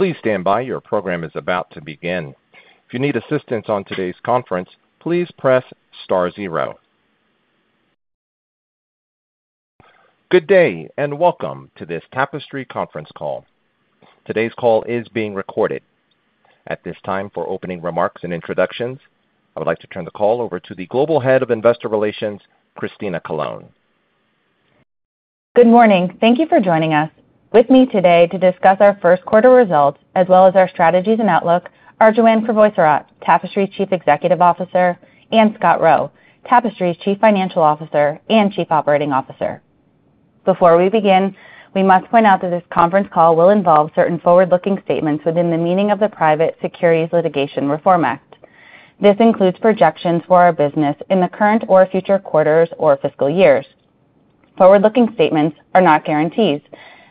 Please stand by, your program is about to begin. If you need assistance on today's conference, please press star zero. Good day and welcome to this Tapestry Conference call. Today's call is being recorded. At this time, for opening remarks and introductions, I would like to turn the call over to the Global Head of Investor Relations, Christina Colone. Good morning. Thank you for joining us. With me today to discuss our first quarter results as well as our strategies and outlook are Joanne Crevoiserat, Tapestry's Chief Executive Officer, and Scott Roe, Tapestry's Chief Financial Officer and Chief Operating Officer. Before we begin, we must point out that this conference call will involve certain forward-looking statements within the meaning of the Private Securities Litigation Reform Act. This includes projections for our business in the current or future quarters or fiscal years. Forward-looking statements are not guarantees,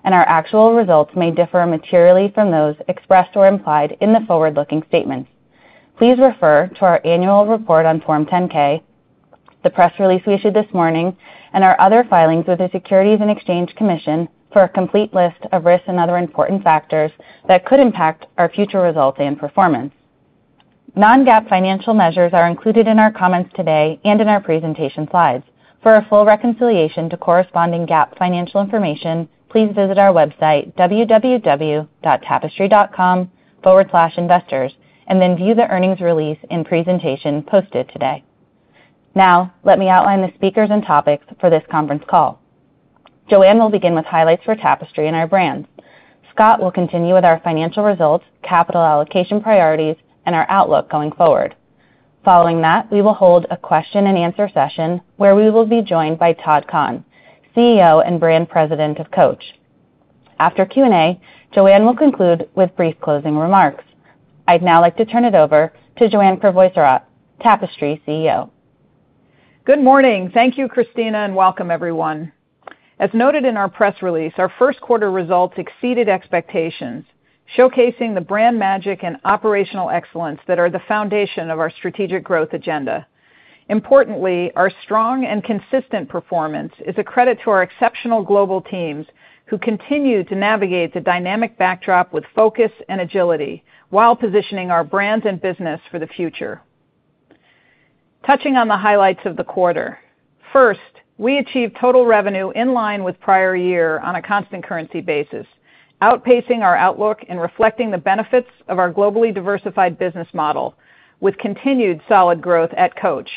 and our actual results may differ materially from those expressed or implied in the forward-looking statements. Please refer to our annual report on Form 10-K, the press release we issued this morning, and our other filings with the Securities and Exchange Commission for a complete list of risks and other important factors that could impact our future results and performance. Non-GAAP financial measures are included in our comments today and in our presentation slides. For a full reconciliation to corresponding GAAP financial information, please visit our website, www.tapestry.com/investors, and then view the earnings release and presentation posted today. Now, let me outline the speakers and topics for this conference call. Joanne will begin with highlights for Tapestry and our brands. Scott will continue with our financial results, capital allocation priorities, and our outlook going forward. Following that, we will hold a question-and-answer session where we will be joined by Todd Kahn, CEO and brand president of Coach. After Q&A, Joanne will conclude with brief closing remarks. I'd now like to turn it over to Joanne Crevoiserat, Tapestry CEO. Good morning. Thank you, Christina, and welcome, everyone. As noted in our press release, our first quarter results exceeded expectations, showcasing the brand magic and operational excellence that are the foundation of our strategic growth agenda. Importantly, our strong and consistent performance is a credit to our exceptional global teams who continue to navigate the dynamic backdrop with focus and agility while positioning our brand and business for the future. Touching on the highlights of the quarter, first, we achieved total revenue in line with prior year on a constant currency basis, outpacing our outlook and reflecting the benefits of our globally diversified business model with continued solid growth at Coach.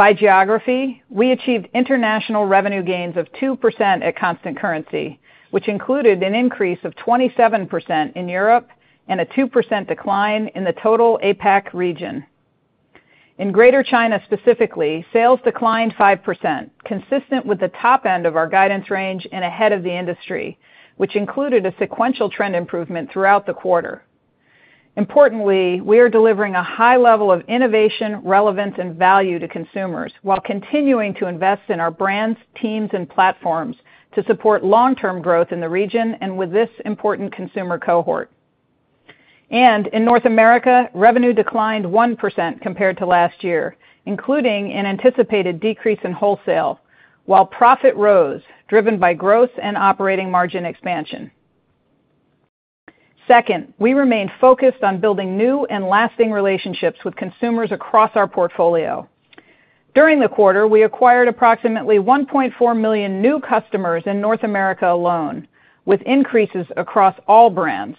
By geography, we achieved international revenue gains of 2% at constant currency, which included an increase of 27% in Europe and a 2% decline in the total APAC region. In Greater China specifically, sales declined 5%, consistent with the top end of our guidance range and ahead of the industry, which included a sequential trend improvement throughout the quarter. Importantly, we are delivering a high level of innovation, relevance, and value to consumers while continuing to invest in our brands, teams, and platforms to support long-term growth in the region and with this important consumer cohort. And in North America, revenue declined 1% compared to last year, including an anticipated decrease in wholesale, while profit rose, driven by growth and operating margin expansion. Second, we remain focused on building new and lasting relationships with consumers across our portfolio. During the quarter, we acquired approximately 1.4 million new customers in North America alone, with increases across all brands.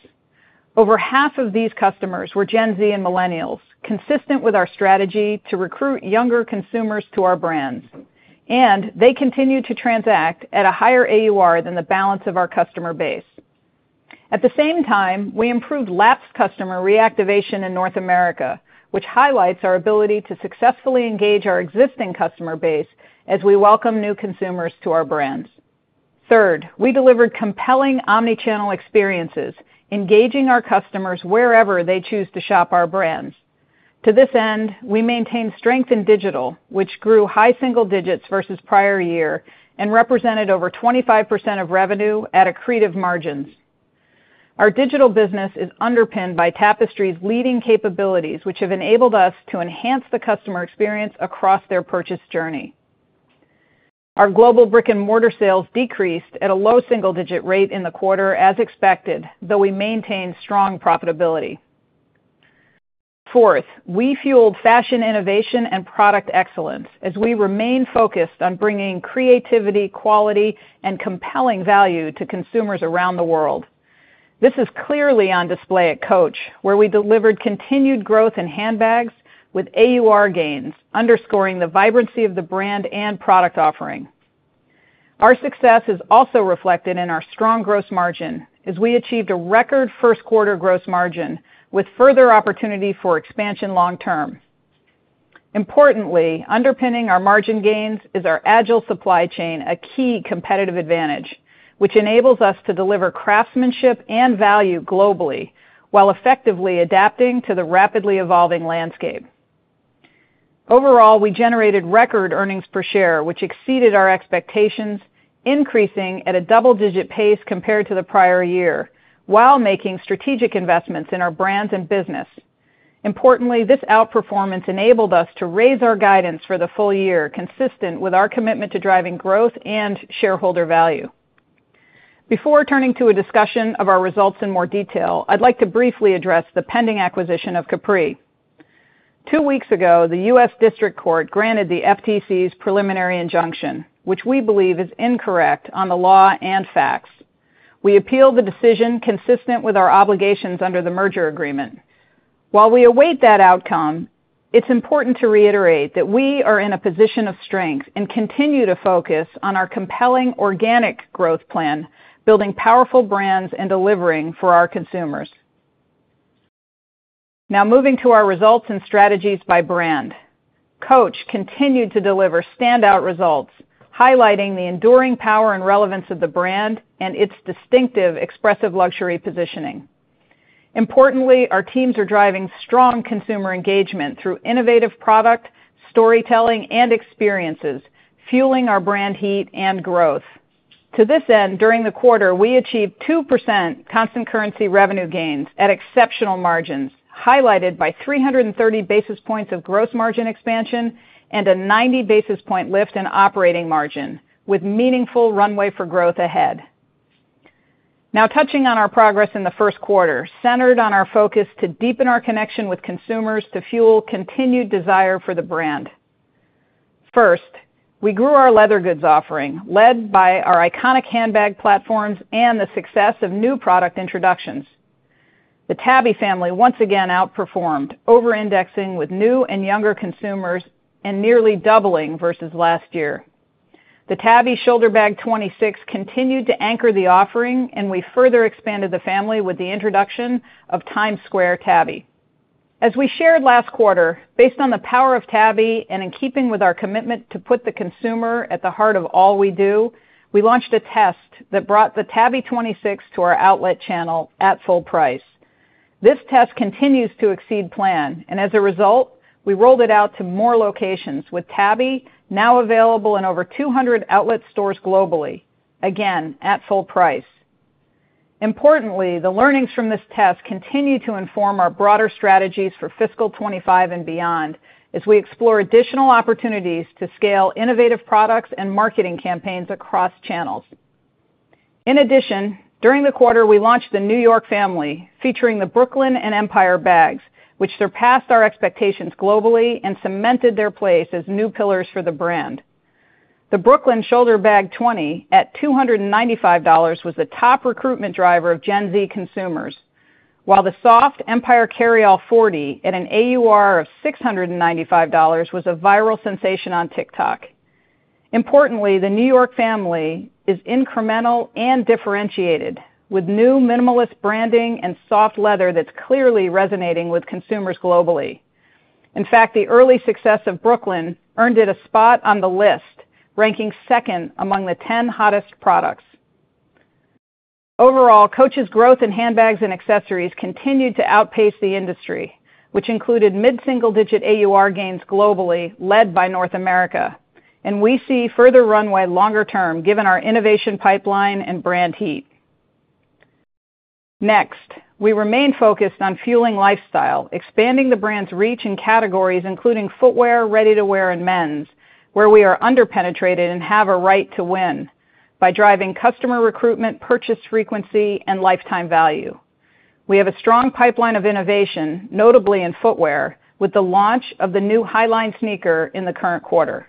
Over half of these customers were Gen Z and Millennials, consistent with our strategy to recruit younger consumers to our brands, and they continue to transact at a higher AUR than the balance of our customer base. At the same time, we improved lapsed customer reactivation in North America, which highlights our ability to successfully engage our existing customer base as we welcome new consumers to our brands. Third, we delivered compelling omnichannel experiences, engaging our customers wherever they choose to shop our brands. To this end, we maintained strength in digital, which grew high single digits versus prior year and represented over 25% of revenue at accretive margins. Our digital business is underpinned by Tapestry's leading capabilities, which have enabled us to enhance the customer experience across their purchase journey. Our global brick-and-mortar sales decreased at a low single-digit rate in the quarter, as expected, though we maintained strong profitability. Fourth, we fueled fashion innovation and product excellence as we remain focused on bringing creativity, quality, and compelling value to consumers around the world. This is clearly on display at Coach, where we delivered continued growth in handbags with AUR gains, underscoring the vibrancy of the brand and product offering. Our success is also reflected in our strong gross margin as we achieved a record first quarter gross margin with further opportunity for expansion long-term. Importantly, underpinning our margin gains is our agile supply chain, a key competitive advantage, which enables us to deliver craftsmanship and value globally while effectively adapting to the rapidly evolving landscape. Overall, we generated record earnings per share, which exceeded our expectations, increasing at a double-digit pace compared to the prior year while making strategic investments in our brands and business. Importantly, this outperformance enabled us to raise our guidance for the full year, consistent with our commitment to driving growth and shareholder value. Before turning to a discussion of our results in more detail, I'd like to briefly address the pending acquisition of Capri. Two weeks ago, the U.S. District Court granted the FTC's preliminary injunction, which we believe is incorrect on the law and facts. We appealed the decision, consistent with our obligations under the merger agreement. While we await that outcome, it's important to reiterate that we are in a position of strength and continue to focus on our compelling organic growth plan, building powerful brands and delivering for our consumers. Now, moving to our results and strategies by brand, Coach continued to deliver standout results, highlighting the enduring power and relevance of the brand and its distinctive expressive luxury positioning. Importantly, our teams are driving strong consumer engagement through innovative product storytelling and experiences, fueling our brand heat and growth. To this end, during the quarter, we achieved 2% constant currency revenue gains at exceptional margins, highlighted by 330 basis points of gross margin expansion and a 90 basis point lift in operating margin, with meaningful runway for growth ahead. Now, touching on our progress in the first quarter, centered on our focus to deepen our connection with consumers to fuel continued desire for the brand. First, we grew our leather goods offering, led by our iconic handbag platforms and the success of new product introductions. The Tabby family once again outperformed, over-indexing with new and younger consumers and nearly doubling versus last year. The Tabby Shoulder Bag 26 continued to anchor the offering, and we further expanded the family with the introduction of Times Square Tabby. As we shared last quarter, based on the power of Tabby and in keeping with our commitment to put the consumer at the heart of all we do, we launched a test that brought the Tabby 26 to our outlet channel at full price. This test continues to exceed plan, and as a result, we rolled it out to more locations with Tabby now available in over 200 outlet stores globally, again at full price. Importantly, the learnings from this test continue to inform our broader strategies for fiscal 2025 and beyond as we explore additional opportunities to scale innovative products and marketing campaigns across channels. In addition, during the quarter, we launched the New York family featuring the Brooklyn and Empire bags, which surpassed our expectations globally and cemented their place as new pillars for the brand. The Brooklyn Shoulder Bag 20 at $295 was the top recruitment driver of Gen Z consumers, while the soft Empire Carryall 40 at an AUR of $695 was a viral sensation on TikTok. Importantly, the New York family is incremental and differentiated with new minimalist branding and soft leather that's clearly resonating with consumers globally. In fact, the early success of Brooklyn earned it a spot on the list, ranking second among the 10 hottest products. Overall, Coach's growth in handbags and accessories continued to outpace the industry, which included mid-single-digit AUR gains globally led by North America, and we see further runway longer term given our innovation pipeline and brand heat. Next, we remain focused on fueling lifestyle, expanding the brand's reach in categories including footwear, ready-to-wear, and men's, where we are underpenetrated and have a right to win by driving customer recruitment, purchase frequency, and lifetime value. We have a strong pipeline of innovation, notably in footwear, with the launch of the new Highline Sneaker in the current quarter.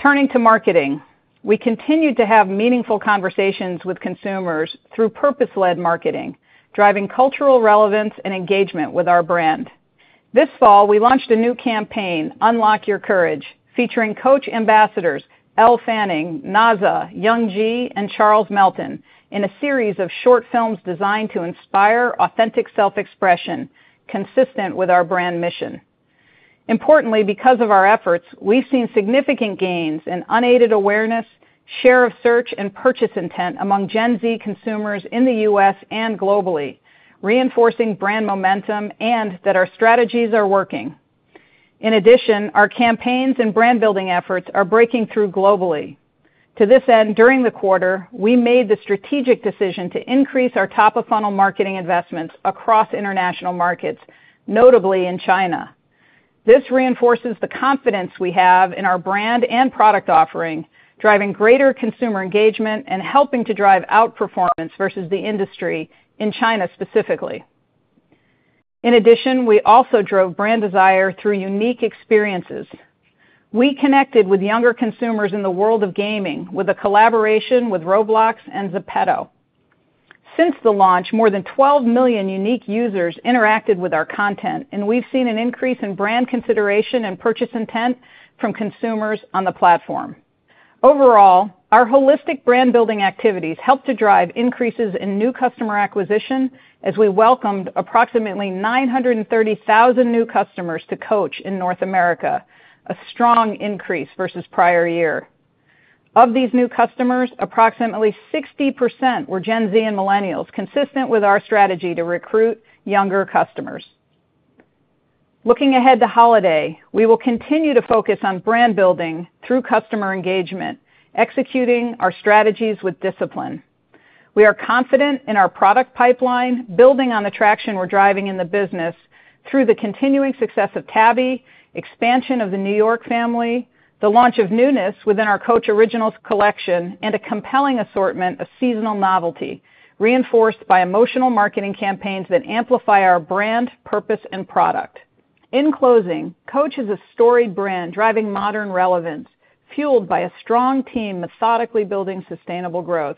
Turning to marketing, we continue to have meaningful conversations with consumers through purpose-led marketing, driving cultural relevance and engagement with our brand. This fall, we launched a new campaign, Unlock Your Courage, featuring Coach ambassadors Elle Fanning, Nazha, Young Ji, and Charles Melton in a series of short films designed to inspire authentic self-expression consistent with our brand mission. Importantly, because of our efforts, we've seen significant gains in unaided awareness, share of search, and purchase intent among Gen Z consumers in the U.S. and globally, reinforcing brand momentum and that our strategies are working. In addition, our campaigns and brand-building efforts are breaking through globally. To this end, during the quarter, we made the strategic decision to increase our top-of-funnel marketing investments across international markets, notably in China. This reinforces the confidence we have in our brand and product offering, driving greater consumer engagement and helping to drive outperformance versus the industry in China specifically. In addition, we also drove brand desire through unique experiences. We connected with younger consumers in the world of gaming with a collaboration with Roblox and Zepeto. Since the launch, more than 12 million unique users interacted with our content, and we've seen an increase in brand consideration and purchase intent from consumers on the platform. Overall, our holistic brand-building activities helped to drive increases in new customer acquisition as we welcomed approximately 930,000 new customers to Coach in North America, a strong increase versus prior year. Of these new customers, approximately 60% were Gen Z and Millennials, consistent with our strategy to recruit younger customers. Looking ahead to holiday, we will continue to focus on brand-building through customer engagement, executing our strategies with discipline. We are confident in our product pipeline, building on the traction we're driving in the business through the continuing success of Tabby, expansion of the New York family, the launch of newness within our Coach Originals collection, and a compelling assortment of seasonal novelty, reinforced by emotional marketing campaigns that amplify our brand, purpose, and product. In closing, Coach is a storied brand driving modern relevance, fueled by a strong team methodically building sustainable growth.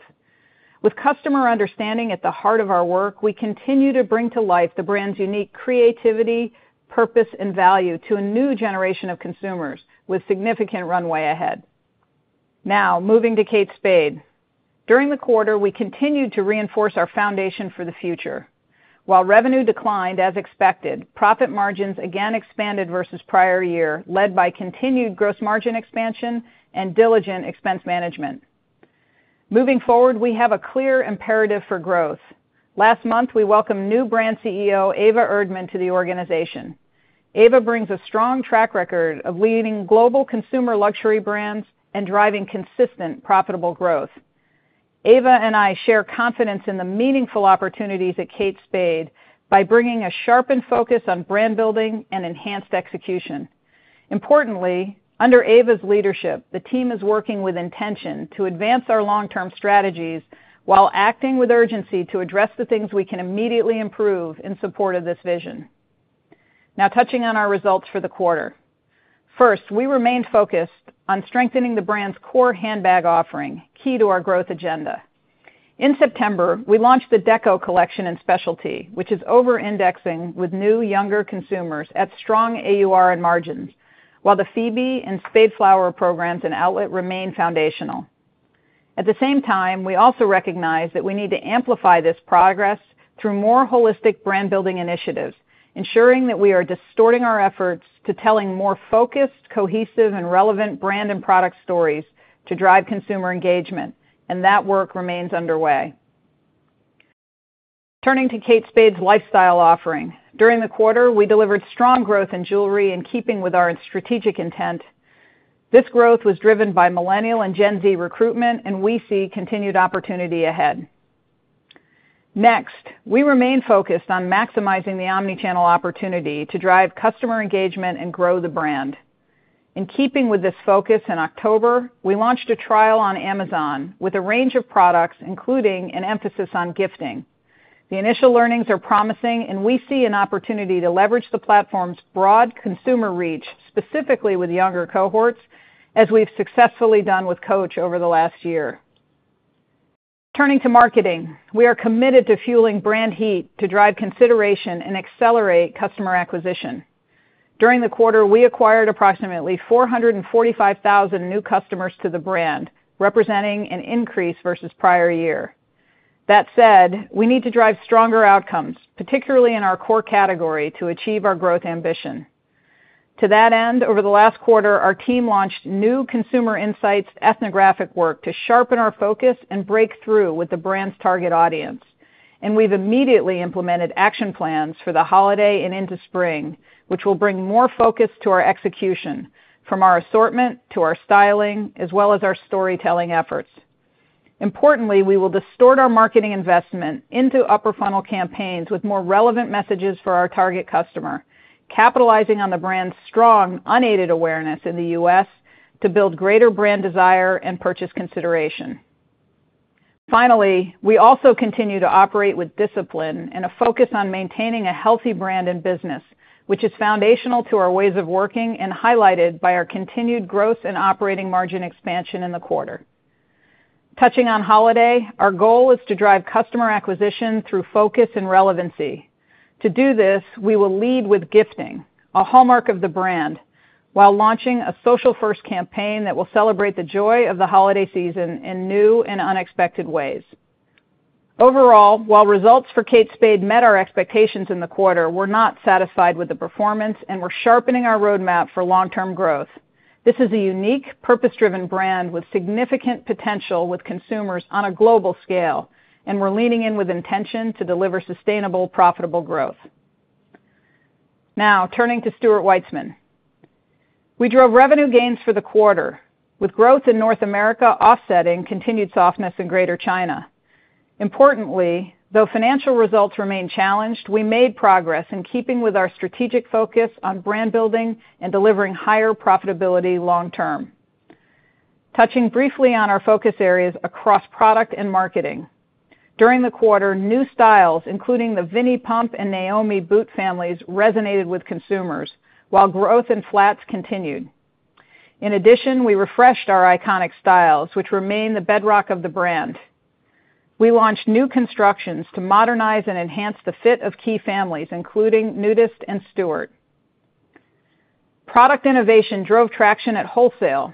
With customer understanding at the heart of our work, we continue to bring to life the brand's unique creativity, purpose, and value to a new generation of consumers with significant runway ahead. Now, moving to Kate Spade. During the quarter, we continued to reinforce our foundation for the future. While revenue declined as expected, profit margins again expanded versus prior year, led by continued gross margin expansion and diligent expense management. Moving forward, we have a clear imperative for growth. Last month, we welcomed new brand CEO Eva Erdmann to the organization. Eva brings a strong track record of leading global consumer luxury brands and driving consistent profitable growth. Eva and I share confidence in the meaningful opportunities at Kate Spade by bringing a sharpened focus on brand-building and enhanced execution. Importantly, under Eva's leadership, the team is working with intention to advance our long-term strategies while acting with urgency to address the things we can immediately improve in support of this vision. Now, touching on our results for the quarter. First, we remained focused on strengthening the brand's core handbag offering, key to our growth agenda. In September, we launched the Deco Collection in Specialty, which is over-indexing with new younger consumers at strong AUR and margins, while the Phoebe and Spade Flower programs and outlet remain foundational. At the same time, we also recognize that we need to amplify this progress through more holistic brand-building initiatives, ensuring that we are distorting our efforts to telling more focused, cohesive, and relevant brand and product stories to drive consumer engagement, and that work remains underway. Turning to Kate Spade's lifestyle offering. During the quarter, we delivered strong growth in jewelry in keeping with our strategic intent. This growth was driven by millennial and Gen Z recruitment, and we see continued opportunity ahead. Next, we remain focused on maximizing the omnichannel opportunity to drive customer engagement and grow the brand. In keeping with this focus, in October, we launched a trial on Amazon with a range of products, including an emphasis on gifting. The initial learnings are promising, and we see an opportunity to leverage the platform's broad consumer reach, specifically with younger cohorts, as we've successfully done with Coach over the last year. Turning to marketing, we are committed to fueling brand heat to drive consideration and accelerate customer acquisition. During the quarter, we acquired approximately 445,000 new customers to the brand, representing an increase versus prior year. That said, we need to drive stronger outcomes, particularly in our core category, to achieve our growth ambition. To that end, over the last quarter, our team launched new consumer insights ethnographic work to sharpen our focus and break through with the brand's target audience, and we've immediately implemented action plans for the holiday and into spring, which will bring more focus to our execution from our assortment to our styling, as well as our storytelling efforts. Importantly, we will direct our marketing investment into upper-funnel campaigns with more relevant messages for our target customer, capitalizing on the brand's strong unaided awareness in the U.S. to build greater brand desire and purchase consideration. Finally, we also continue to operate with discipline and a focus on maintaining a healthy brand and business, which is foundational to our ways of working and highlighted by our continued gross and operating margin expansion in the quarter. Touching on holiday, our goal is to drive customer acquisition through focus and relevancy. To do this, we will lead with gifting, a hallmark of the brand, while launching a social-first campaign that will celebrate the joy of the holiday season in new and unexpected ways. Overall, while results for Kate Spade met our expectations in the quarter, we're not satisfied with the performance and we're sharpening our roadmap for long-term growth. This is a unique, purpose-driven brand with significant potential with consumers on a global scale, and we're leaning in with intention to deliver sustainable, profitable growth. Now, turning to Stuart Weitzman. We drove revenue gains for the quarter, with growth in North America offsetting continued softness in Greater China. Importantly, though financial results remain challenged, we made progress in keeping with our strategic focus on brand-building and delivering higher profitability long-term. Touching briefly on our focus areas across product and marketing. During the quarter, new styles, including the Vinnie Pump and Naomi Boot families, resonated with consumers while growth in flats continued. In addition, we refreshed our iconic styles, which remain the bedrock of the brand. We launched new constructions to modernize and enhance the fit of key families, including Nudist and Stuart. Product innovation drove traction at wholesale,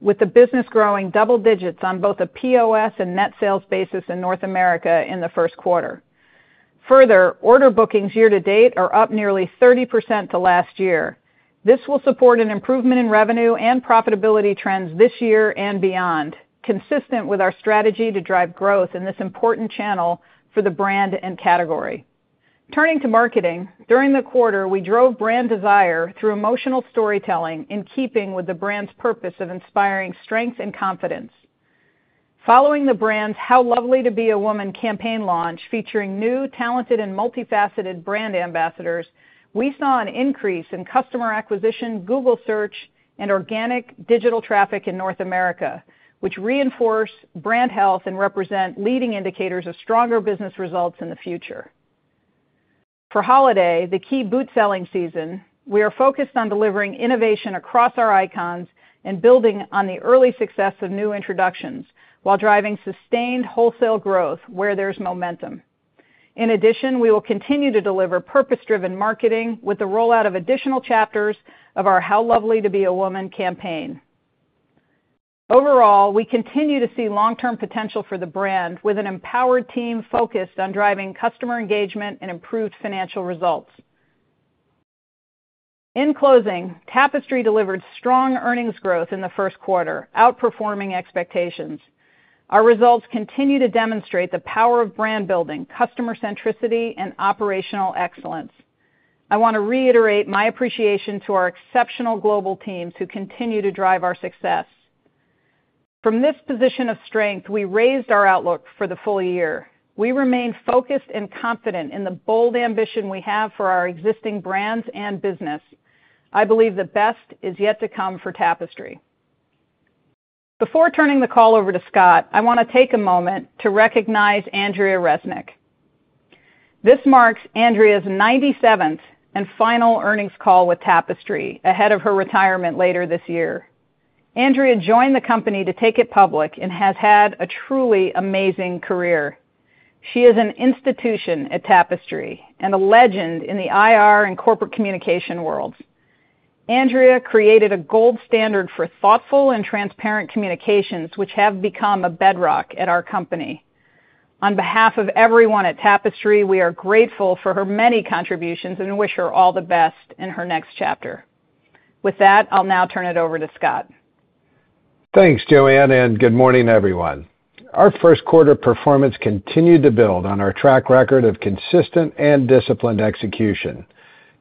with the business growing double digits on both a POS and net sales basis in North America in the first quarter. Further, order bookings year-to-date are up nearly 30% to last year. This will support an improvement in revenue and profitability trends this year and beyond, consistent with our strategy to drive growth in this important channel for the brand and category. Turning to marketing, during the quarter, we drove brand desire through emotional storytelling in keeping with the brand's purpose of inspiring strength and confidence. Following the brand's How Lovely to Be a Woman campaign launch featuring new, talented, and multifaceted brand ambassadors, we saw an increase in customer acquisition, Google search, and organic digital traffic in North America, which reinforced brand health and represent leading indicators of stronger business results in the future. For holiday, the key boot selling season, we are focused on delivering innovation across our icons and building on the early success of new introductions while driving sustained wholesale growth where there's momentum. In addition, we will continue to deliver purpose-driven marketing with the rollout of additional chapters of our How Lovely to Be a Woman campaign. Overall, we continue to see long-term potential for the brand with an empowered team focused on driving customer engagement and improved financial results. In closing, Tapestry delivered strong earnings growth in the first quarter, outperforming expectations. Our results continue to demonstrate the power of brand-building, customer centricity, and operational excellence. I want to reiterate my appreciation to our exceptional global teams who continue to drive our success. From this position of strength, we raised our outlook for the full year. We remain focused and confident in the bold ambition we have for our existing brands and business. I believe the best is yet to come for Tapestry. Before turning the call over to Scott, I want to take a moment to recognize Andrea Resnick. This marks Andrea's 97th and final earnings call with Tapestry ahead of her retirement later this year. Andrea joined the company to take it public and has had a truly amazing career. She is an institution at Tapestry and a legend in the IR and corporate communication worlds. Andrea created a gold standard for thoughtful and transparent communications, which have become a bedrock at our company. On behalf of everyone at Tapestry, we are grateful for her many contributions and wish her all the best in her next chapter. With that, I'll now turn it over to Scott. Thanks, Joanne, and good morning, everyone. Our first quarter performance continued to build on our track record of consistent and disciplined execution.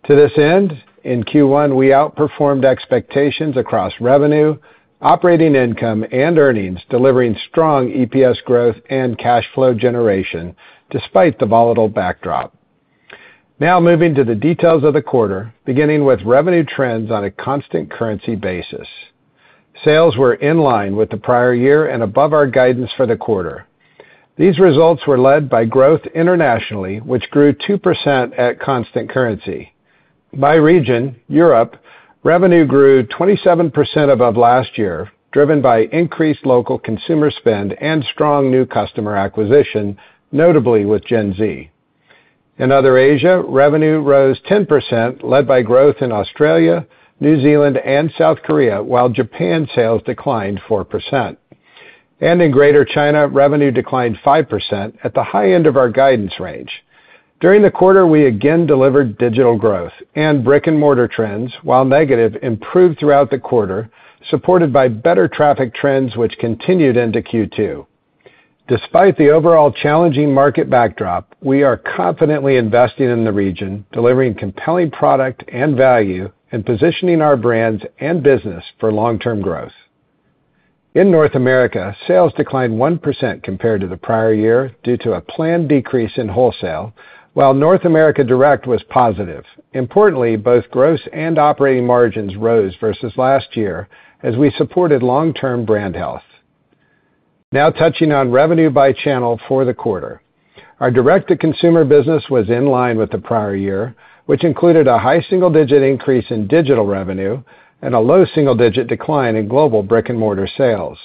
To this end, in Q1, we outperformed expectations across revenue, operating income, and earnings, delivering strong EPS growth and cash flow generation despite the volatile backdrop. Now, moving to the details of the quarter, beginning with revenue trends on a constant currency basis. Sales were in line with the prior year and above our guidance for the quarter. These results were led by growth internationally, which grew 2% at constant currency. By region, Europe revenue grew 27% above last year, driven by increased local consumer spend and strong new customer acquisition, notably with Gen Z. In Other Asia, revenue rose 10%, led by growth in Australia, New Zealand, and South Korea, while Japan sales declined 4%, and in Greater China, revenue declined 5% at the high end of our guidance range. During the quarter, we again delivered digital growth, and brick-and-mortar trends, while negative, improved throughout the quarter, supported by better traffic trends, which continued into Q2. Despite the overall challenging market backdrop, we are confidently investing in the region, delivering compelling product and value, and positioning our brands and business for long-term growth. In North America, sales declined 1% compared to the prior year due to a planned decrease in wholesale, while North America Direct was positive. Importantly, both gross and operating margins rose versus last year as we supported long-term brand health. Now, touching on revenue by channel for the quarter. Our direct-to-consumer business was in line with the prior year, which included a high single-digit increase in digital revenue and a low single-digit decline in global brick-and-mortar sales.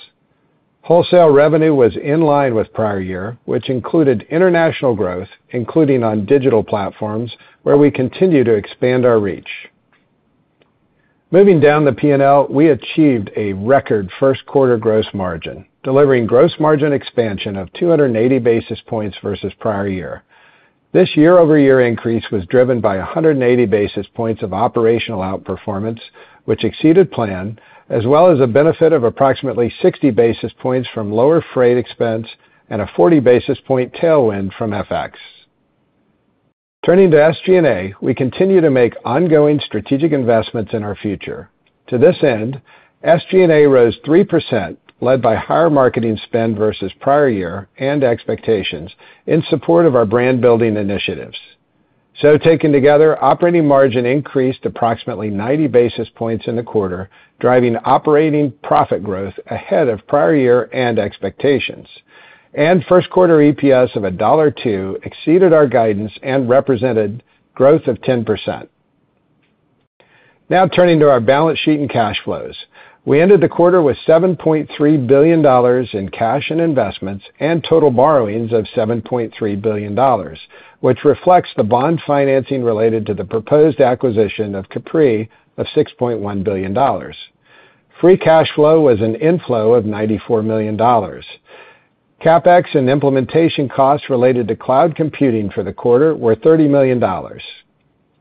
Wholesale revenue was in line with prior year, which included international growth, including on digital platforms, where we continue to expand our reach. Moving down the P&L, we achieved a record first quarter gross margin, delivering gross margin expansion of 280 basis points versus prior year. This year-over-year increase was driven by 180 basis points of operational outperformance, which exceeded plan, as well as a benefit of approximately 60 basis points from lower freight expense and a 40 basis point tailwind from FX. Turning to SG&A, we continue to make ongoing strategic investments in our future. To this end, SG&A rose 3%, led by higher marketing spend versus prior year and expectations in support of our brand-building initiatives, so taken together, operating margin increased approximately 90 basis points in the quarter, driving operating profit growth ahead of prior year and expectations. First quarter EPS of $1.02 exceeded our guidance and represented growth of 10%. Now, turning to our balance sheet and cash flows. We ended the quarter with $7.3 billion in cash and investments and total borrowings of $7.3 billion, which reflects the bond financing related to the proposed acquisition of Capri of $6.1 billion. Free cash flow was an inflow of $94 million. CapEx and implementation costs related to cloud computing for the quarter were $30 million.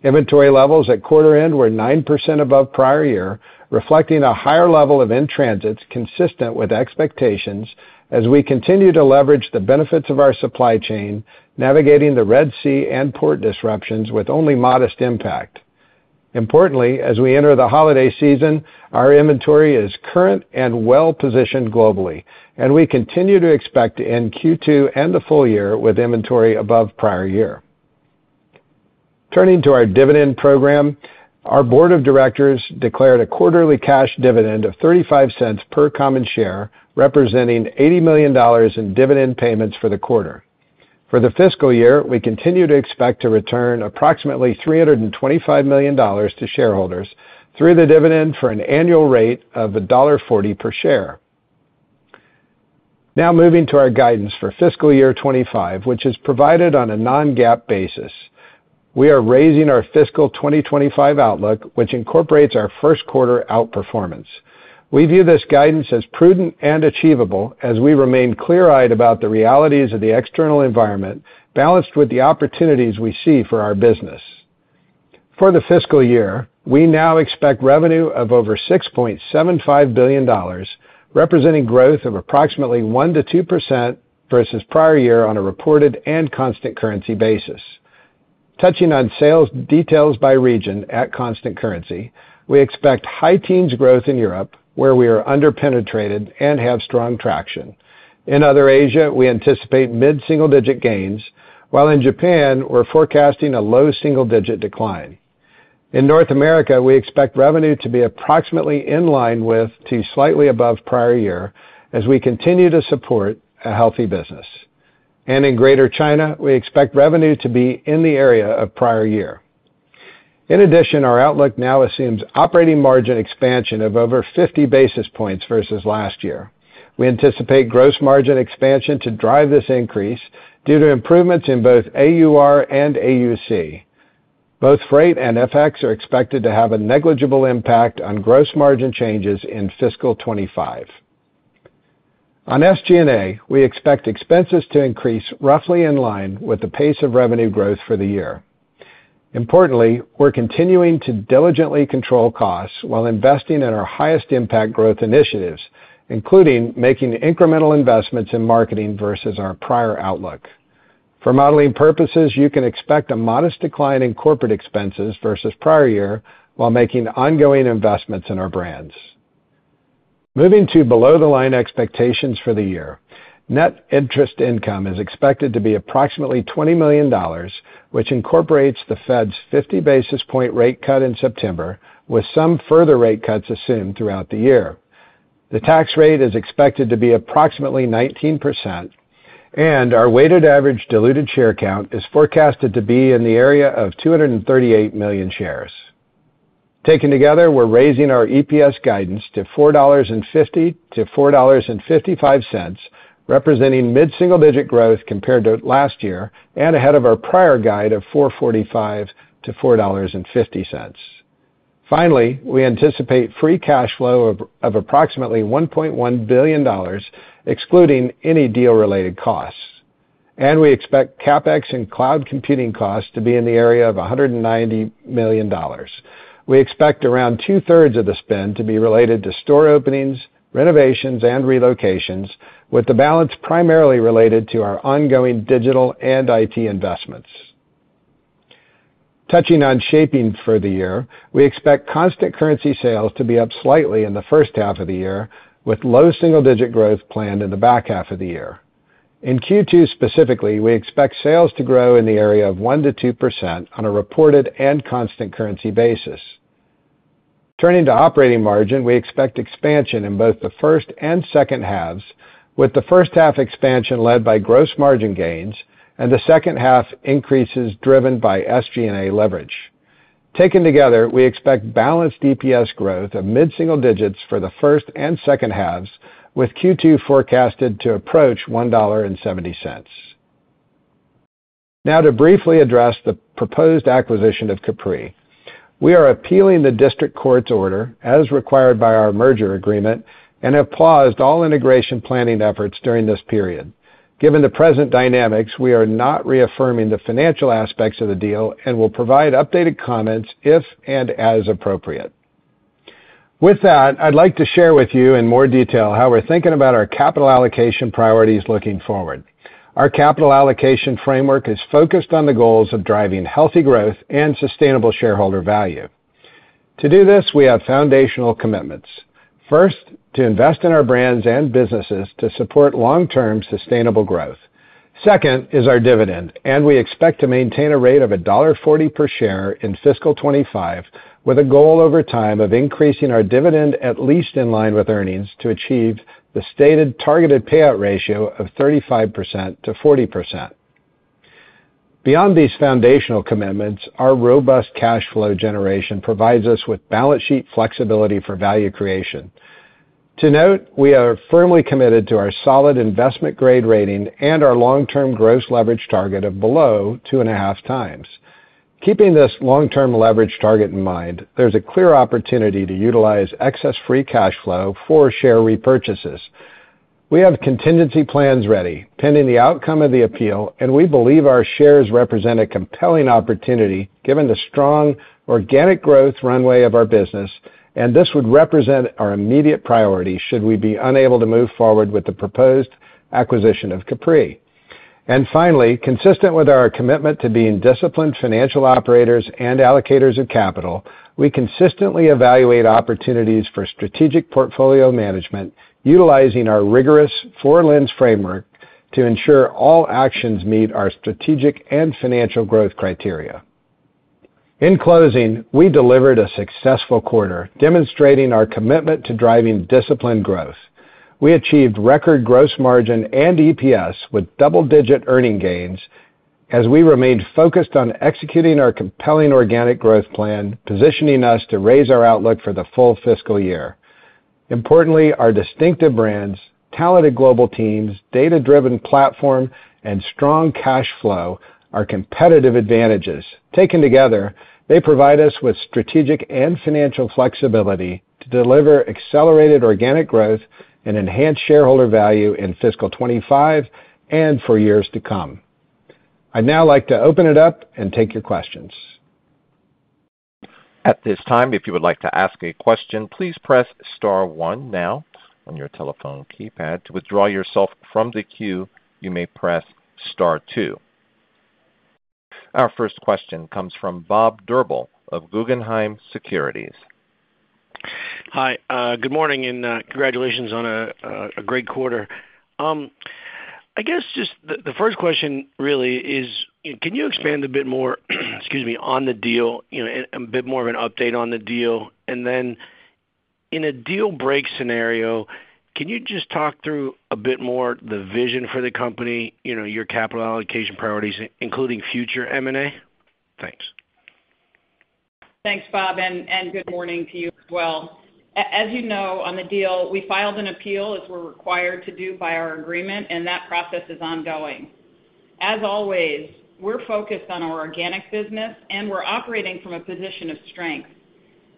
Inventory levels at quarter end were 9% above prior year, reflecting a higher level of in-transits consistent with expectations as we continue to leverage the benefits of our supply chain, navigating the Red Sea and port disruptions with only modest impact. Importantly, as we enter the holiday season, our inventory is current and well-positioned globally, and we continue to expect to end Q2 and the full year with inventory above prior year. Turning to our dividend program, our board of directors declared a quarterly cash dividend of $0.35 per common share, representing $80 million in dividend payments for the quarter. For the fiscal year, we continue to expect to return approximately $325 million to shareholders through the dividend for an annual rate of $1.40 per share. Now, moving to our guidance for fiscal year 2025, which is provided on a non-GAAP basis. We are raising our fiscal 2025 outlook, which incorporates our first quarter outperformance. We view this guidance as prudent and achievable as we remain clear-eyed about the realities of the external environment, balanced with the opportunities we see for our business. For the fiscal year, we now expect revenue of over $6.75 billion, representing growth of approximately 1% to 2% versus prior year on a reported and constant currency basis. Touching on sales details by region at constant currency, we expect high teens growth in Europe, where we are under-penetrated and have strong traction. In other Asia, we anticipate mid-single-digit gains, while in Japan, we're forecasting a low single-digit decline. In North America, we expect revenue to be approximately in line with to slightly above prior year as we continue to support a healthy business. And in Greater China, we expect revenue to be in the area of prior year. In addition, our outlook now assumes operating margin expansion of over 50 basis points versus last year. We anticipate gross margin expansion to drive this increase due to improvements in both AUR and AUC. Both freight and FX are expected to have a negligible impact on gross margin changes in fiscal 2025. On SG&A, we expect expenses to increase roughly in line with the pace of revenue growth for the year. Importantly, we're continuing to diligently control costs while investing in our highest impact growth initiatives, including making incremental investments in marketing versus our prior outlook. For modeling purposes, you can expect a modest decline in corporate expenses versus prior year while making ongoing investments in our brands. Moving to below-the-line expectations for the year. Net interest income is expected to be approximately $20 million, which incorporates the Fed's 50 basis point rate cut in September, with some further rate cuts assumed throughout the year. The tax rate is expected to be approximately 19%, and our weighted average diluted share count is forecasted to be in the area of 238 million shares. Taken together, we're raising our EPS guidance to $4.50-$4.55, representing mid-single-digit growth compared to last year and ahead of our prior guide of $4.45-$4.50. Finally, we anticipate free cash flow of approximately $1.1 billion, excluding any deal-related costs, and we expect CapEx and cloud computing costs to be in the area of $190 million. We expect around two-thirds of the spend to be related to store openings, renovations, and relocations, with the balance primarily related to our ongoing digital and IT investments. Touching on shaping for the year, we expect constant currency sales to be up slightly in the first half of the year, with low single-digit growth planned in the back half of the year. In Q2 specifically, we expect sales to grow in the area of 1%-2% on a reported and constant currency basis. Turning to operating margin, we expect expansion in both the first and second halves, with the first half expansion led by gross margin gains and the second half increases driven by SG&A leverage. Taken together, we expect balanced EPS growth of mid-single digits for the first and second halves, with Q2 forecasted to approach $1.70. Now, to briefly address the proposed acquisition of Capri, we are appealing the district court's order as required by our merger agreement and have paused all integration planning efforts during this period. Given the present dynamics, we are not reaffirming the financial aspects of the deal and will provide updated comments if and as appropriate. With that, I'd like to share with you in more detail how we're thinking about our capital allocation priorities looking forward. Our capital allocation framework is focused on the goals of driving healthy growth and sustainable shareholder value. To do this, we have foundational commitments. First, to invest in our brands and businesses to support long-term sustainable growth. Second is our dividend, and we expect to maintain a rate of $1.40 per share in fiscal 2025, with a goal over time of increasing our dividend at least in line with earnings to achieve the stated targeted payout ratio of 35%-40%. Beyond these foundational commitments, our robust cash flow generation provides us with balance sheet flexibility for value creation. To note, we are firmly committed to our solid investment grade rating and our long-term gross leverage target of below two and a half times. Keeping this long-term leverage target in mind, there's a clear opportunity to utilize excess free cash flow for share repurchases. We have contingency plans ready pending the outcome of the appeal, and we believe our shares represent a compelling opportunity given the strong organic growth runway of our business, and this would represent our immediate priority should we be unable to move forward with the proposed acquisition of Capri. And finally, consistent with our commitment to being disciplined financial operators and allocators of capital, we consistently evaluate opportunities for strategic portfolio management, utilizing our rigorous four lens framework to ensure all actions meet our strategic and financial growth criteria. In closing, we delivered a successful quarter, demonstrating our commitment to driving disciplined growth. We achieved record gross margin and EPS with double-digit earning gains as we remained focused on executing our compelling organic growth plan, positioning us to raise our outlook for the full fiscal year. Importantly, our distinctive brands, talented global teams, data-driven platform, and strong cash flow are competitive advantages. Taken together, they provide us with strategic and financial flexibility to deliver accelerated organic growth and enhanced shareholder value in fiscal '25 and for years to come. I'd now like to open it up and take your questions. At this time, if you would like to ask a question, please press star one now on your telephone keypad. To withdraw yourself from the queue, you may press star two. Our first question comes from Bob Drbul of Guggenheim Securities. Hi, good morning and congratulations on a great quarter. I guess just the first question really is, can you expand a bit more, excuse me, on the deal, a bit more of an update on the deal? And then in a deal break scenario, can you just talk through a bit more the vision for the company, your capital allocation priorities, including future M&A? Thanks. Thanks, Bob, and good morning to you as well. As you know, on the deal, we filed an appeal as we're required to do by our agreement, and that process is ongoing. As always, we're focused on our organic business, and we're operating from a position of strength.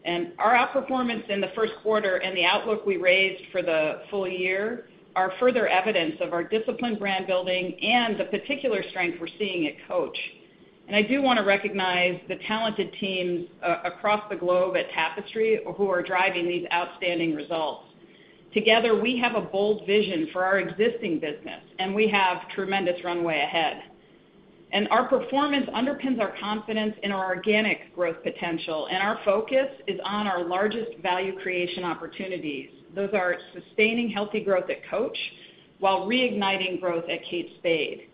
And our outperformance in the first quarter and the outlook we raised for the full year are further evidence of our disciplined brand building and the particular strength we're seeing at Coach. And I do want to recognize the talented teams across the globe at Tapestry who are driving these outstanding results. Together, we have a bold vision for our existing business, and we have tremendous runway ahead. Our performance underpins our confidence in our organic growth potential, and our focus is on our largest value creation opportunities. Those are sustaining healthy growth at Coach while reigniting growth at Kate Spade.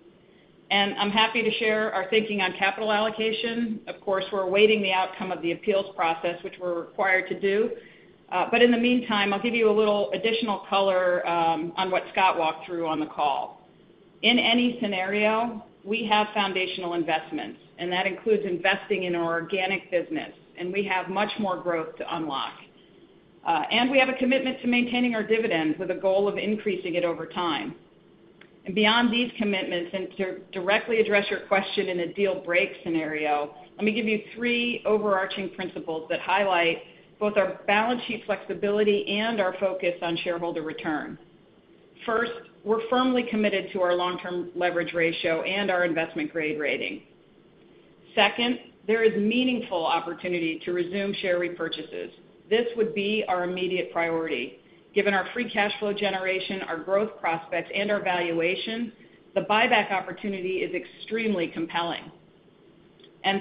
I'm happy to share our thinking on capital allocation. Of course, we're awaiting the outcome of the appeals process, which we're required to do. But in the meantime, I'll give you a little additional color on what Scott walked through on the call. In any scenario, we have foundational investments, and that includes investing in our organic business, and we have much more growth to unlock. We have a commitment to maintaining our dividend with a goal of increasing it over time. Beyond these commitments, and to directly address your question in a deal break scenario, let me give you three overarching principles that highlight both our balance sheet flexibility and our focus on shareholder return. First, we're firmly committed to our long-term leverage ratio and our Investment Grade Rating. Second, there is meaningful opportunity to resume share repurchases. This would be our immediate priority. Given our Free Cash Flow generation, our growth prospects, and our valuation, the buyback opportunity is extremely compelling.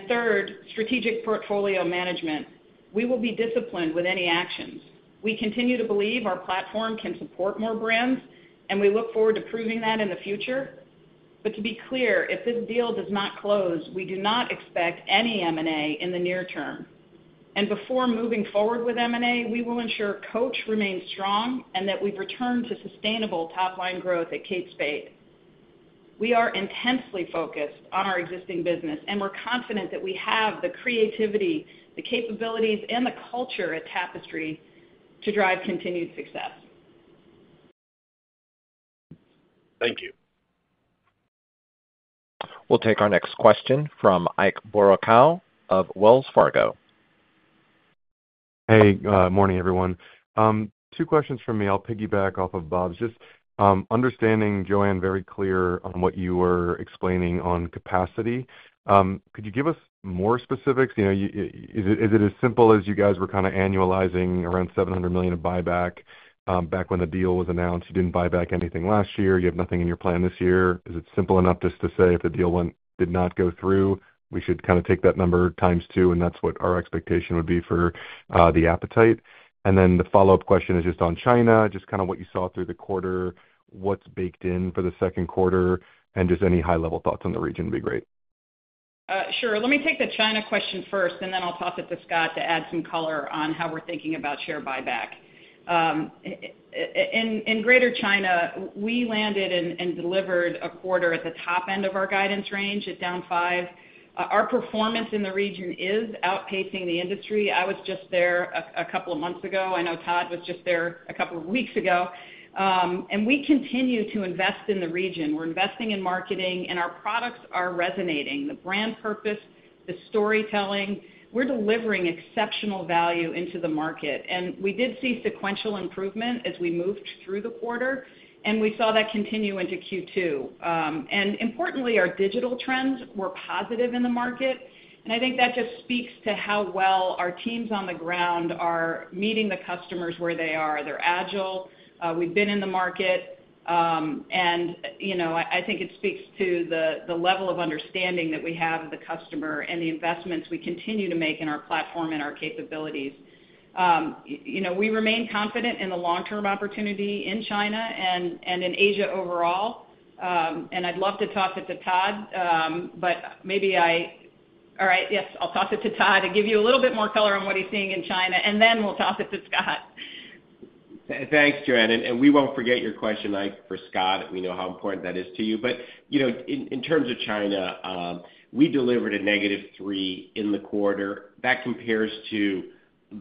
Third, strategic portfolio management. We will be disciplined with any actions. We continue to believe our platform can support more brands, and we look forward to proving that in the future. To be clear, if this deal does not close, we do not expect any M&A in the near term. And before moving forward with M&A, we will ensure Coach remains strong and that we've returned to sustainable top-line growth at Kate Spade. We are intensely focused on our existing business, and we're confident that we have the creativity, the capabilities, and the culture at Tapestry to drive continued success. Thank you. We'll take our next question from Ike Boruchow of Wells Fargo. Hey, morning everyone. Two questions from me. I'll piggyback off of Bob's. Just understanding, Joanne, very clear on what you were explaining on capacity. Could you give us more specifics? Is it as simple as you guys were kind of annualizing around $700 million of buyback back when the deal was announced? You didn't buy back anything last year. You have nothing in your plan this year. Is it simple enough just to say if the deal did not go through, we should kind of take that number times two, and that's what our expectation would be for the appetite? And then the follow-up question is just on China, just kind of what you saw through the quarter, what's baked in for the second quarter, and just any high-level thoughts on the region would be great. Sure. Let me take the China question first, and then I'll toss it to Scott to add some color on how we're thinking about share buyback. In Greater China, we landed and delivered a quarter at the top end of our guidance range at down 5%. Our performance in the region is outpacing the industry. I was just there a couple of months ago. I know Todd was just there a couple of weeks ago. And we continue to invest in the region. We're investing in marketing, and our products are resonating. The brand purpose, the storytelling, we're delivering exceptional value into the market. And we did see sequential improvement as we moved through the quarter, and we saw that continue into Q2. And importantly, our digital trends were positive in the market. And I think that just speaks to how well our teams on the ground are meeting the customers where they are. They're agile. We've been in the market, and I think it speaks to the level of understanding that we have of the customer and the investments we continue to make in our platform and our capabilities. We remain confident in the long-term opportunity in China and in Asia overall. I'd love to toss it to Todd to give you a little bit more color on what he's seeing in China, and then we'll toss it to Scott. Thanks, Joanne. We won't forget your question, Ike, for Scott. We know how important that is to you. But in terms of China, we delivered a negative 3% in the quarter. That compares to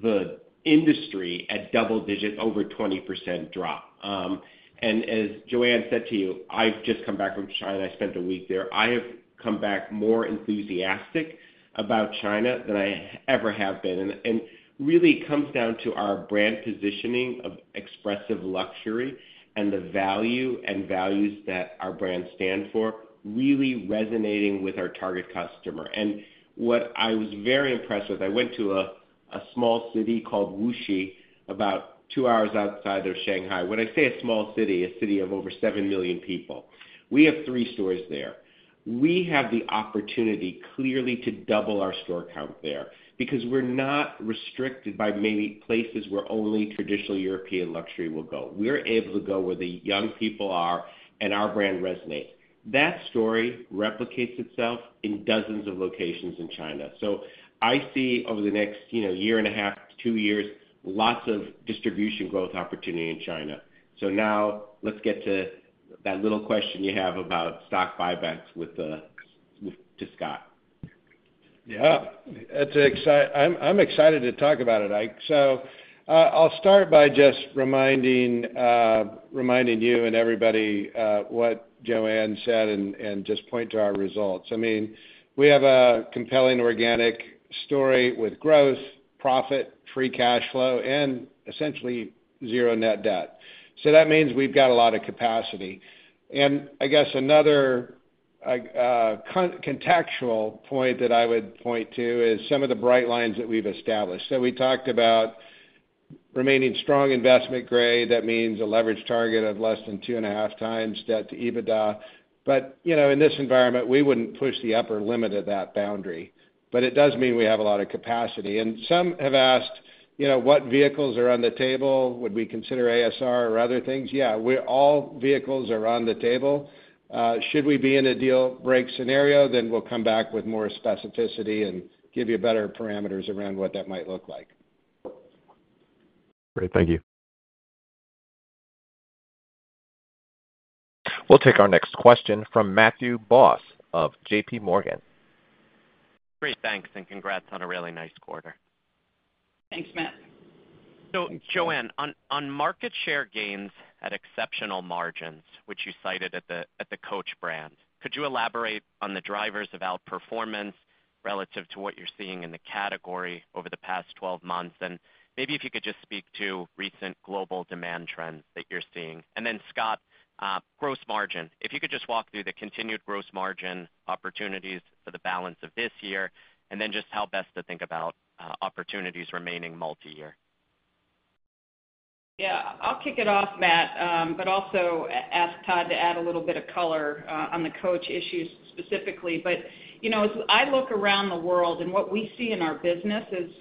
the industry at double-digit, over 20% drop. As Joanne said to you, I've just come back from China. I spent a week there. I have come back more enthusiastic about China than I ever have been. Really, it comes down to our brand positioning of expressive luxury and the value and values that our brands stand for, really resonating with our target customer. And what I was very impressed with, I went to a small city called Wuxi about two hours outside of Shanghai. When I say a small city, a city of over seven million people, we have three stores there. We have the opportunity clearly to double our store count there because we're not restricted by maybe places where only traditional European luxury will go. We're able to go where the young people are and our brand resonates. That story replicates itself in dozens of locations in China. So I see over the next year and a half to two years, lots of distribution growth opportunity in China. So now let's get to that little question you have about stock buybacks with Scott. Yeah. I'm excited to talk about it, Ike. So I'll start by just reminding you and everybody what Joanne said and just point to our results. I mean, we have a compelling organic story with growth, profit, free cash flow, and essentially zero net debt, so that means we've got a lot of capacity, and I guess another contextual point that I would point to is some of the bright lines that we've established, so we talked about remaining strong investment grade. That means a leverage target of less than two and a half times debt to EBITDA. But in this environment, we wouldn't push the upper limit of that boundary, but it does mean we have a lot of capacity, and some have asked, what vehicles are on the table? Would we consider ASR or other things? Yeah, all vehicles are on the table. Should we be in a deal break scenario, then we'll come back with more specificity and give you better parameters around what that might look like. Great. Thank you. We'll take our next question from Matthew Boss of J.P. Morgan. Great. Thanks. And congrats on a really nice quarter. Thanks, Matt. So Joanne, on market share gains at exceptional margins, which you cited at the Coach brand, could you elaborate on the drivers of outperformance relative to what you're seeing in the category over the past 12 months? And maybe if you could just speak to recent global demand trends that you're seeing. And then Scott, gross margin, if you could just walk through the continued gross margin opportunities for the balance of this year, and then just how best to think about opportunities remaining multi-year. Yeah. I'll kick it off, Matt, but also ask Todd to add a little bit of color on the Coach issues specifically. But as I look around the world, what we see in our business is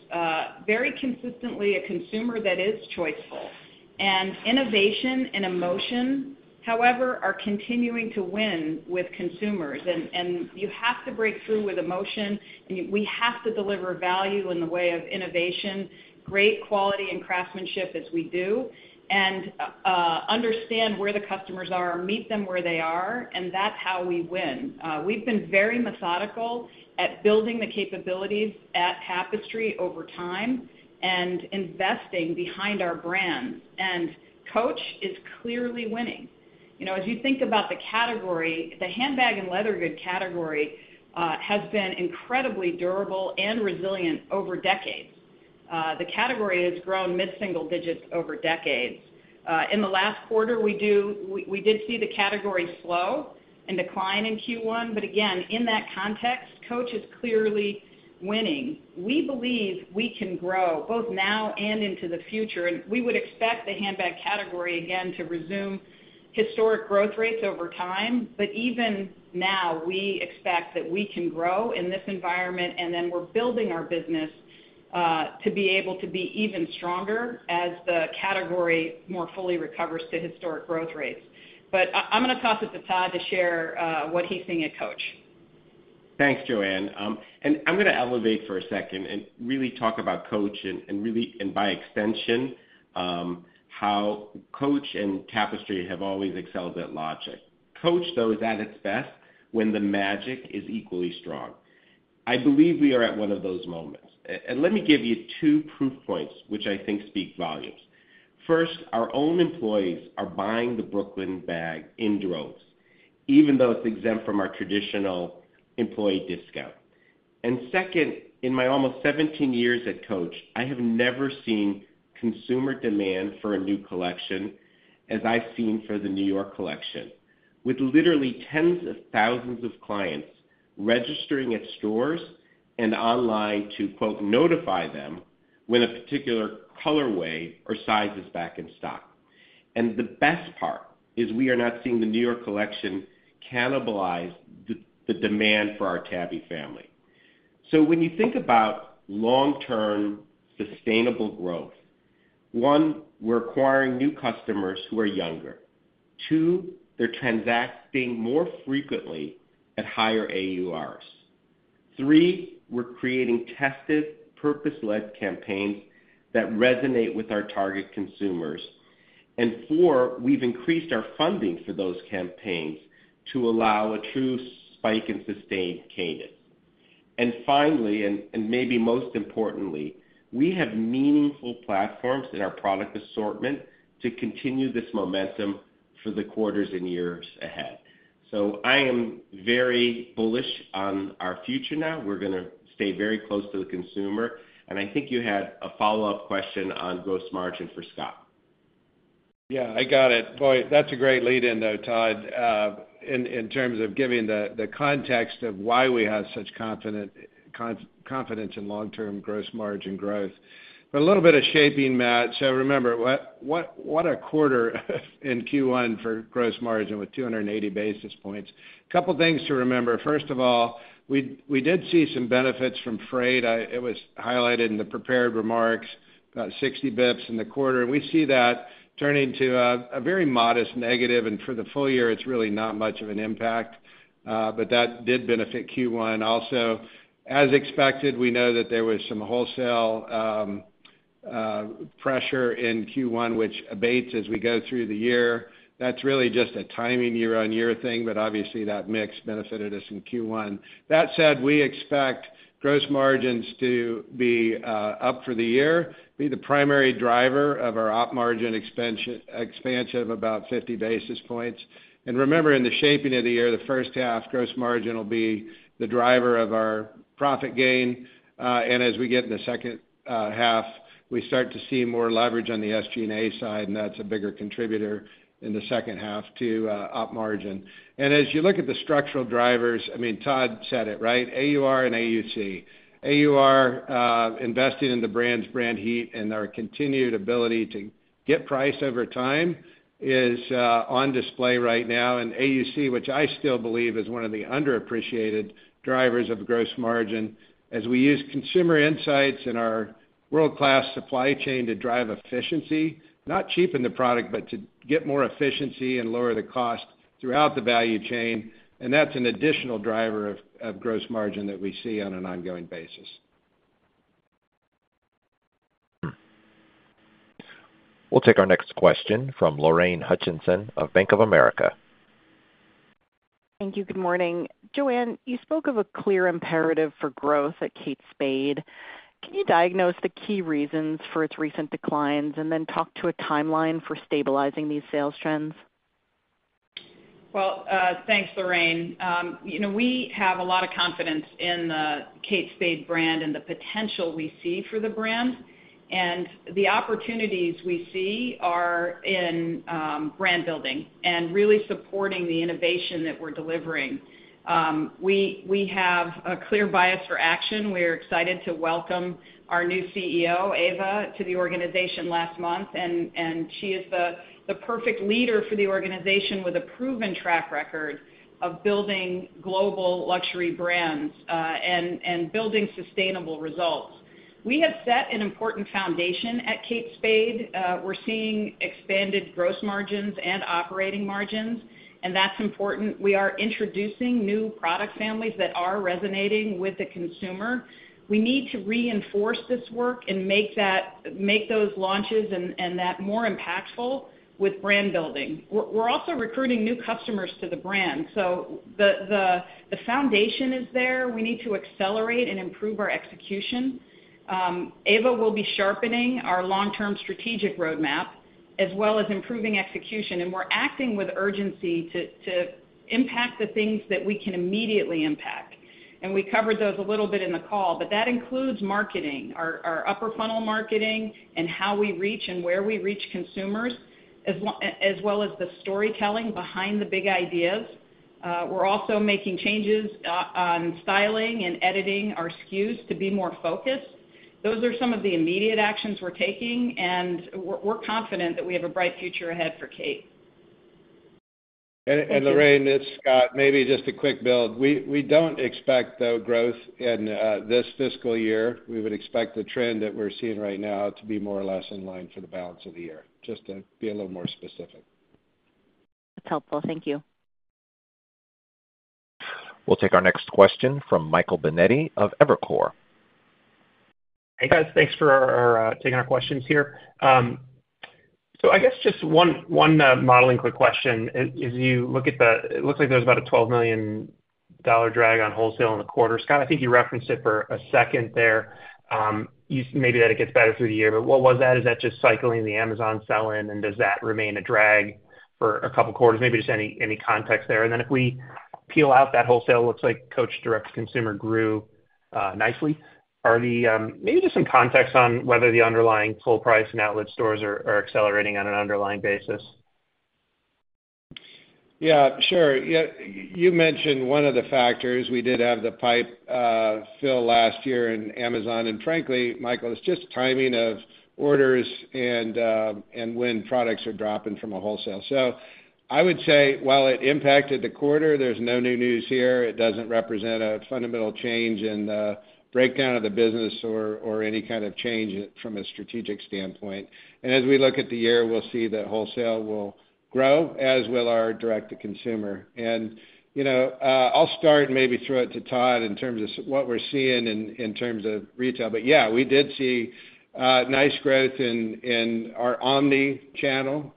very consistently a consumer that is choiceful. Innovation and emotion, however, are continuing to win with consumers. You have to break through with emotion, and we have to deliver value in the way of innovation, great quality, and craftsmanship as we do, and understand where the customers are, meet them where they are, and that's how we win. We've been very methodical at building the capabilities at Tapestry over time and investing behind our brands. Coach is clearly winning. As you think about the category, the handbag and leather goods category has been incredibly durable and resilient over decades. The category has grown mid-single digits over decades. In the last quarter, we did see the category slow and decline in Q1. Again, in that context, Coach is clearly winning. We believe we can grow both now and into the future, and we would expect the handbag category again to resume historic growth rates over time but even now, we expect that we can grow in this environment, and then we're building our business to be able to be even stronger as the category more fully recovers to historic growth rates. But I'm going to toss it to Todd to share what he's seeing at Coach. Thanks, Joanne, and I'm going to elevate for a second and really talk about Coach and by extension, how Coach and Tapestry have always excelled at logic. Coach, though, is at its best when the magic is equally strong. I believe we are at one of those moments, and let me give you two proof points, which I think speak volumes. First, our own employees are buying the Brooklyn bag in droves, even though it's exempt from our traditional employee discount, and second, in my almost 17 years at Coach, I have never seen consumer demand for a new collection as I've seen for the New York collection, with literally tens of thousands of clients registering at stores and online to "notify" them when a particular colorway or size is back in stock, and the best part is we are not seeing the New York collection cannibalize the demand for our Tabby family, so when you think about long-term sustainable growth, one, we're acquiring new customers who are younger. Two, they're transacting more frequently at higher AURs. Three, we're creating tested, purpose-led campaigns that resonate with our target consumers, and four, we've increased our funding for those campaigns to allow a true spike in sustained cadence. And finally, and maybe most importantly, we have meaningful platforms in our product assortment to continue this momentum for the quarters and years ahead. So I am very bullish on our future now. We're going to stay very close to the consumer. And I think you had a follow-up question on gross margin for Scott. Yeah, I got it. Boy, that's a great lead-in, though, Todd, in terms of giving the context of why we have such confidence in long-term gross margin growth. But a little bit of shaping, Matt. So remember, what a quarter in Q1 for gross margin with 280 basis points. A couple of things to remember. First of all, we did see some benefits from freight. It was highlighted in the prepared remarks, about 60 basis points in the quarter. And we see that turning to a very modest negative. And for the full year, it's really not much of an impact. But that did benefit Q1. Also, as expected, we know that there was some wholesale pressure in Q1, which abates as we go through the year. That's really just a timing year-on-year thing, but obviously that mix benefited us in Q1. That said, we expect gross margins to be up for the year, be the primary driver of our op margin expansion of about 50 basis points. And remember, in the shaping of the year, the first half, gross margin will be the driver of our profit gain. And as we get in the second half, we start to see more leverage on the SG&A side, and that's a bigger contributor in the second half to op margin. And as you look at the structural drivers, I mean, Todd said it, right? AUR and AUC. AUR investing in the brand's brand heat and our continued ability to get price over time is on display right now. And AUC, which I still believe is one of the underappreciated drivers of gross margin, as we use consumer insights in our world-class supply chain to drive efficiency, not cheapen the product, but to get more efficiency and lower the cost throughout the value chain. And that's an additional driver of gross margin that we see on an ongoing basis. We'll take our next question from Lorraine Hutchinson of Bank of America. Thank you. Good morning. Joanne, you spoke of a clear imperative for growth at Kate Spade. Can you diagnose the key reasons for its recent declines and then talk to a timeline for stabilizing these sales trends? Well, thanks, Lorraine. We have a lot of confidence in the Kate Spade brand and the potential we see for the brand. And the opportunities we see are in brand building and really supporting the innovation that we're delivering. We have a clear bias for action. We're excited to welcome our new CEO, Eva, to the organization last month. And she is the perfect leader for the organization with a proven track record of building global luxury brands and building sustainable results. We have set an important foundation at Kate Spade. We're seeing expanded gross margins and operating margins, and that's important. We are introducing new product families that are resonating with the consumer. We need to reinforce this work and make those launches and that more impactful with brand building. We're also recruiting new customers to the brand. So the foundation is there. We need to accelerate and improve our execution. Eva will be sharpening our long-term strategic roadmap as well as improving execution, and we're acting with urgency to impact the things that we can immediately impact, and we covered those a little bit in the call, but that includes marketing, our upper funnel marketing and how we reach and where we reach consumers, as well as the storytelling behind the big ideas. We're also making changes on styling and editing our SKUs to be more focused. Those are some of the immediate actions we're taking, and we're confident that we have a bright future ahead for Kate, And Lorraine, Scott, maybe just a quick build. We don't expect, though, growth in this fiscal year. We would expect the trend that we're seeing right now to be more or less in line for the balance of the year, just to be a little more specific. That's helpful. Thank you. We'll take our next question from Michael Binetti of Evercore ISI. Hey, guys. Thanks for taking our questions here. So I guess just one modeling quick question. As you look at the, it looks like there's about a $12 million drag on wholesale in the quarter. Scott, I think you referenced it for a second there. Maybe that it gets better through the year. But what was that? Is that just cycling the Amazon sell-in? And does that remain a drag for a couple of quarters? Maybe just any context there. And then if we peel out that wholesale, it looks like Coach's direct-to-consumer grew nicely. Maybe just some context on whether the underlying full-price and outlet stores are accelerating on an underlying basis. Yeah, sure. You mentioned one of the factors. We did have the pipe fill last year in Amazon. And frankly, Michael, it's just timing of orders and when products are dropping from a wholesale. So I would say, while it impacted the quarter, there's no new news here. It doesn't represent a fundamental change in the breakdown of the business or any kind of change from a strategic standpoint. And as we look at the year, we'll see that wholesale will grow, as will our direct-to-consumer. And I'll start and maybe throw it to Todd in terms of what we're seeing in terms of retail. But yeah, we did see nice growth in our omnichannel,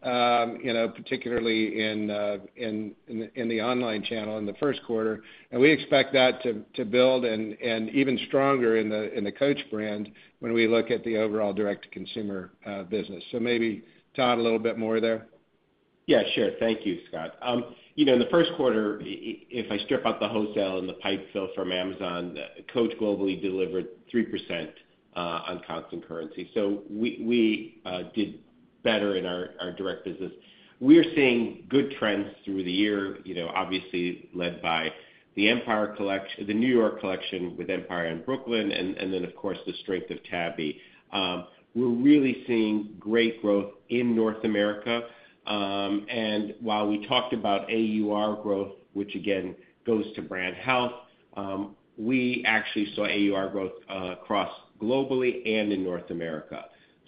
particularly in the online channel in the first quarter. And we expect that to build and even stronger in the Coach brand when we look at the overall direct-to-consumer business. So maybe Todd, a little bit more there. Yeah, sure. Thank you, Scott. In the first quarter, if I strip out the wholesale and the pipe fill from Amazon, Coach globally delivered 3% on constant currency. So we did better in our direct business. We are seeing good trends through the year, obviously led by the Empire, the New York collection with Empire and Brooklyn, and then, of course, the strength of Tabby. We're really seeing great growth in North America. And while we talked about AUR growth, which again goes to brand health, we actually saw AUR growth across globally and in North America.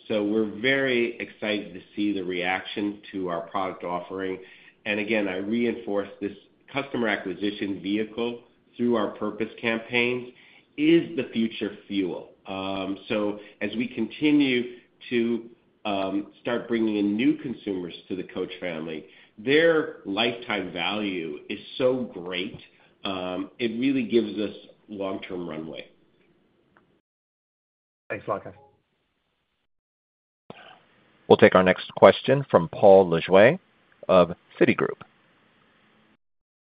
So we're very excited to see the reaction to our product offering. And again, I reinforce this customer acquisition vehicle through our purpose campaigns is the future fuel. So as we continue to start bringing in new consumers to the Coach family, their lifetime value is so great. It really gives us a long-term runway. Thanks, Scott. We'll take our next question from Paul Lejuez of Citigroup.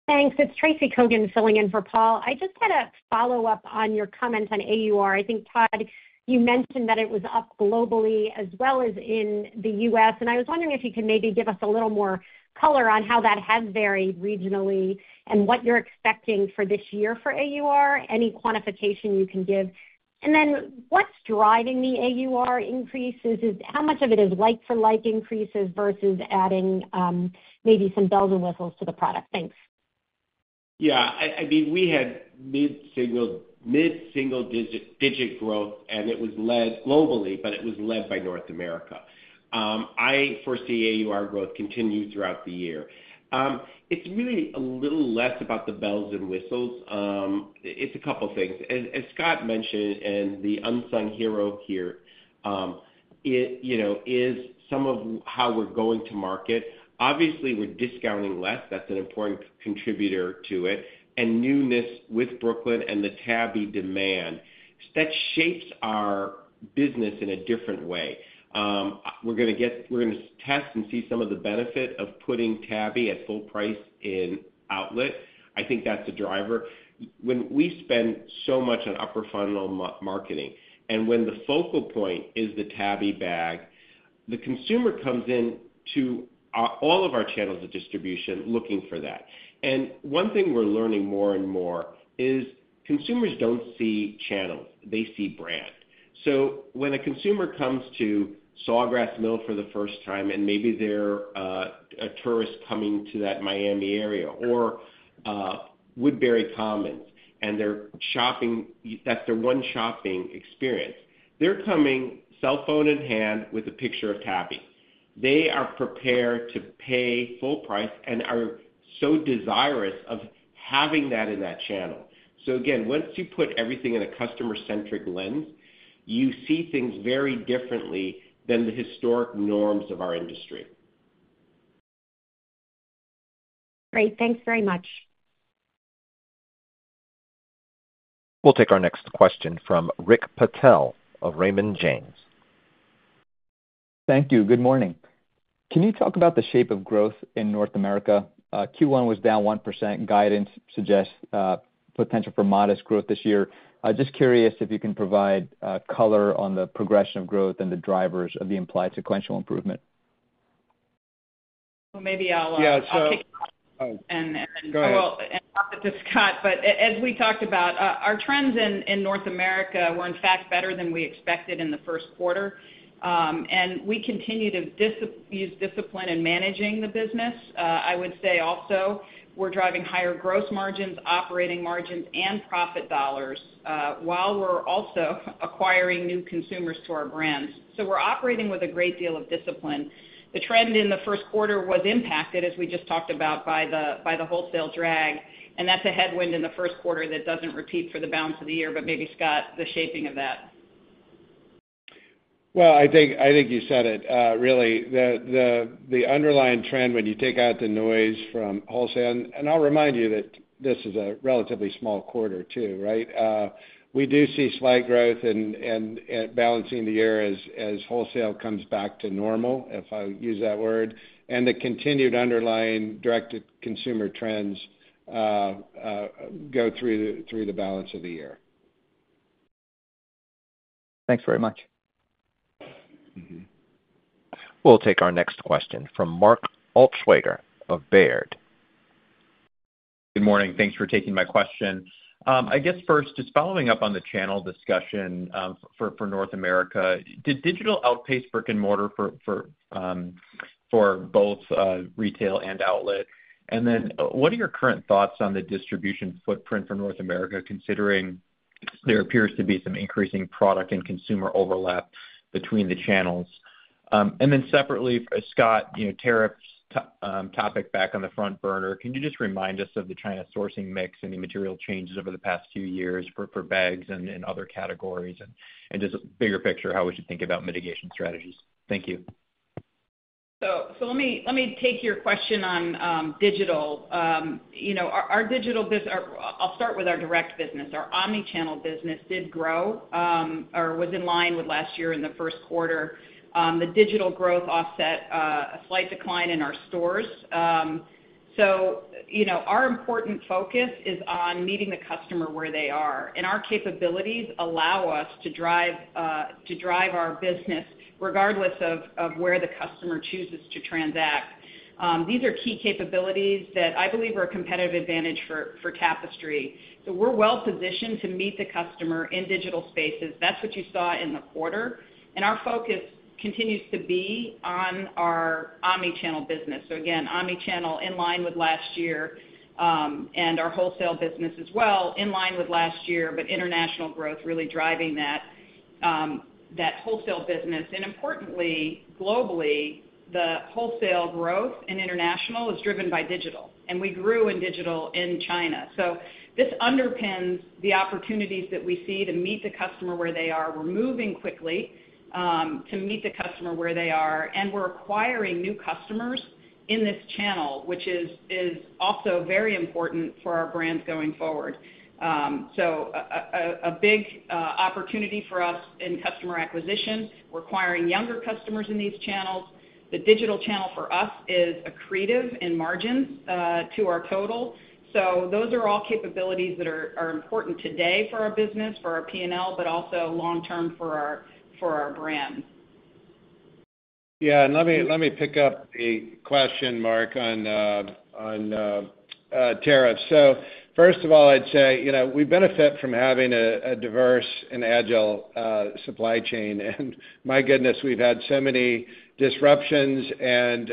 Thanks. It's Tracy Kogan filling in for Paul. I just had a follow-up on your comment on AUR. I think, Todd, you mentioned that it was up globally as well as in the U.S. And I was wondering if you could maybe give us a little more color on how that has varied regionally and what you're expecting for this year for AUR, any quantification you can give. And then what's driving the AUR increases? How much of it is like-for-like increases versus adding maybe some bells and whistles to the product? Thanks Yeah. I mean, we had mid-single digit growth, and it was led globally, but it was led by North America. I foresee AUR growth continuing throughout the year. It's really a little less about the bells and whistles. It's a couple of things. As Scott mentioned, and the unsung hero here is some of how we're going to market. Obviously, we're discounting less. That's an important contributor to it. Newness with Brooklyn and the Tabby demand shapes our business in a different way. We're going to test and see some of the benefit of putting Tabby at full price in outlet. I think that's a driver. When we spend so much on upper funnel marketing, and when the focal point is the Tabby bag, the consumer comes into all of our channels of distribution looking for that. One thing we're learning more and more is consumers don't see channels. They see brand. A consumer comes to Sawgrass Mills for the first time, and maybe they're a tourist coming to that Miami area or Woodbury Common, and they're shopping. That's their one shopping experience. They're coming, cell phone in hand, with a picture of Tabby. They are prepared to pay full price and are so desirous of having that in that channel. So again, once you put everything in a customer-centric lens, you see things very differently than the historic norms of our industry. Great. Thanks very much. We'll take our next question from Rick Patel of Raymond James. Thank you. Good morning. Can you talk about the shape of growth in North America? Q1 was down 1%. Guidance suggests potential for modest growth this year. Just curious if you can provide color on the progression of growth and the drivers of the implied sequential improvement. Well, maybe I'll kick it off and then I'll pass it to Scott. But as we talked about, our trends in North America were, in fact, better than we expected in the first quarter. And we continue to use discipline in managing the business. I would say also we're driving higher gross margins, operating margins, and profit dollars while we're also acquiring new consumers to our brands. So we're operating with a great deal of discipline. The trend in the first quarter was impacted, as we just talked about, by the wholesale drag. And that's a headwind in the first quarter that doesn't repeat for the balance of the year. But maybe, Scott, the shaping of that. Well, I think you said it, really. The underlying trend, when you take out the noise from wholesale, and I'll remind you that this is a relatively small quarter too, right, we do see slight growth and balancing the year as wholesale comes back to normal, if I use that word, and the continued underlying direct-to-consumer trends go through the balance of the year. Thanks very much. We'll take our next question from Mark Altschwager of Baird. Good morning. Thanks for taking my question. I guess first, just following up on the channel discussion for North America, did digital outpace brick and mortar for both retail and outlet? And then what are your current thoughts on the distribution footprint for North America, considering there appears to be some increasing product and consumer overlap between the channels? And then separately, Scott, tariffs topic back on the front burner. Can you just remind us of the China sourcing mix and the material changes over the past few years for bags and other categories? And just a bigger picture, how we should think about mitigation strategies. Thank you. So let me take your question on digital. Our digital business. I'll start with our direct business. Our omni-channel business did grow or was in line with last year in the first quarter. The digital growth offset a slight decline in our stores, so our important focus is on meeting the customer where they are, and our capabilities allow us to drive our business regardless of where the customer chooses to transact. These are key capabilities that I believe are a competitive advantage for Tapestry, so we're well-positioned to meet the customer in digital spaces. That's what you saw in the quarter, and our focus continues to be on our omni-channel business, so again, omni-channel in line with last year and our wholesale business as well, in line with last year, but international growth really driving that wholesale business, and importantly, globally, the wholesale growth in international is driven by digital, and we grew in digital in China, so this underpins the opportunities that we see to meet the customer where they are. We're moving quickly to meet the customer where they are. And we're acquiring new customers in this channel, which is also very important for our brand going forward. So a big opportunity for us in customer acquisition, requiring younger customers in these channels. The digital channel for us is accretive in margins to our total. So those are all capabilities that are important today for our business, for our P&L, but also long-term for our brand. Yeah. And let me pick up the question, Mark, on tariffs. So first of all, I'd say we benefit from having a diverse and agile supply chain. And my goodness, we've had so many disruptions and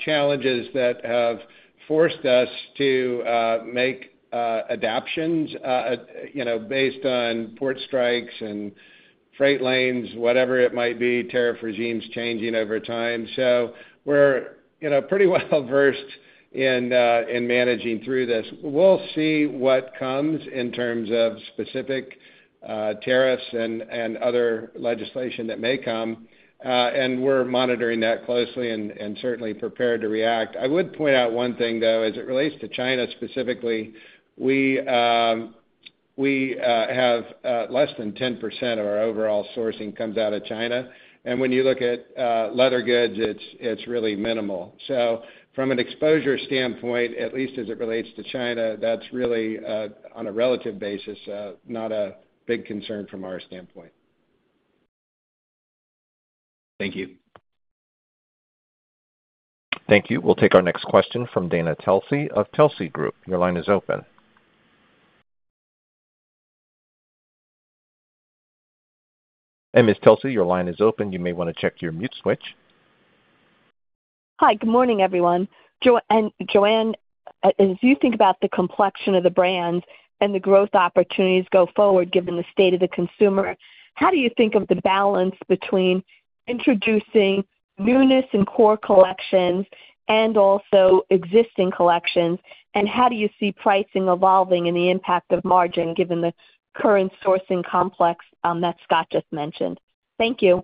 challenges that have forced us to make adaptations based on port strikes and freight lanes, whatever it might be, tariff regimes changing over time. So we're pretty well-versed in managing through this. We'll see what comes in terms of specific tariffs and other legislation that may come. And we're monitoring that closely and certainly prepared to react. I would point out one thing, though, as it relates to China specifically. We have less than 10% of our overall sourcing that comes out of China. And when you look at leather goods, it's really minimal. So from an exposure standpoint, at least as it relates to China, that's really, on a relative basis, not a big concern from our standpoint. Thank you. Thank you. We'll take our next question from Dana Telsey of Telsey Group. Your line is open. And Ms. Telsey, your line is open. You may want to check your mute switch. Hi. Good morning, everyone. Joanne, as you think about the complexion of the brands and the growth opportunities go forward given the state of the consumer, how do you think of the balance between introducing newness in core collections and also existing collections? How do you see pricing evolving and the impact of margin given the current sourcing complex that Scott just mentioned? Thank you.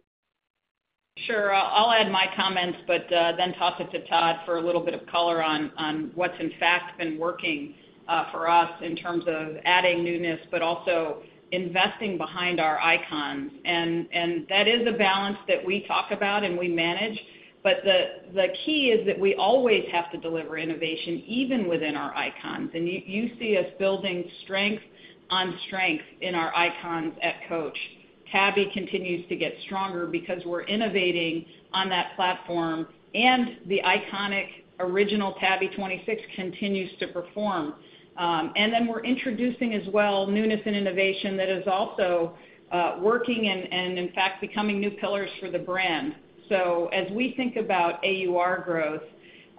Sure. I'll add my comments, but then toss it to Todd for a little bit of color on what's, in fact, been working for us in terms of adding newness, but also investing behind our icons. And that is a balance that we talk about and we manage. But the key is that we always have to deliver innovation, even within our icons. And you see us building strength on strength in our icons at Coach. Tabby continues to get stronger because we're innovating on that platform. And the iconic original Tabby 26 continues to perform. And then we're introducing as well newness and innovation that is also working and, in fact, becoming new pillars for the brand. As we think about AUR growth,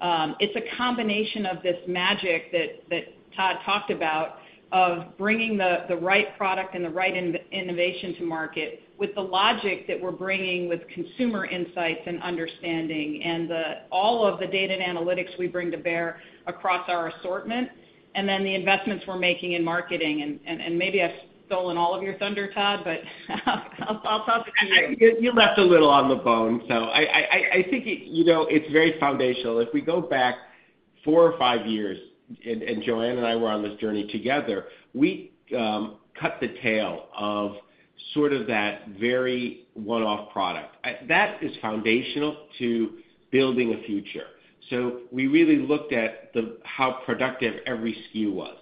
it's a combination of this magic that Todd talked about of bringing the right product and the right innovation to market with the logic that we're bringing with consumer insights and understanding and all of the data and analytics we bring to bear across our assortment. And then the investments we're making in marketing. And maybe I've stolen all of your thunder, Todd, But I'll toss it to you. You left a little on the bone. So I think it's very foundational. If we go back four or five years, and Joanne and I were on this journey together, we cut the tail of sort of that very one-off product. That is foundational to building a future. So we really looked at how productive every SKU was.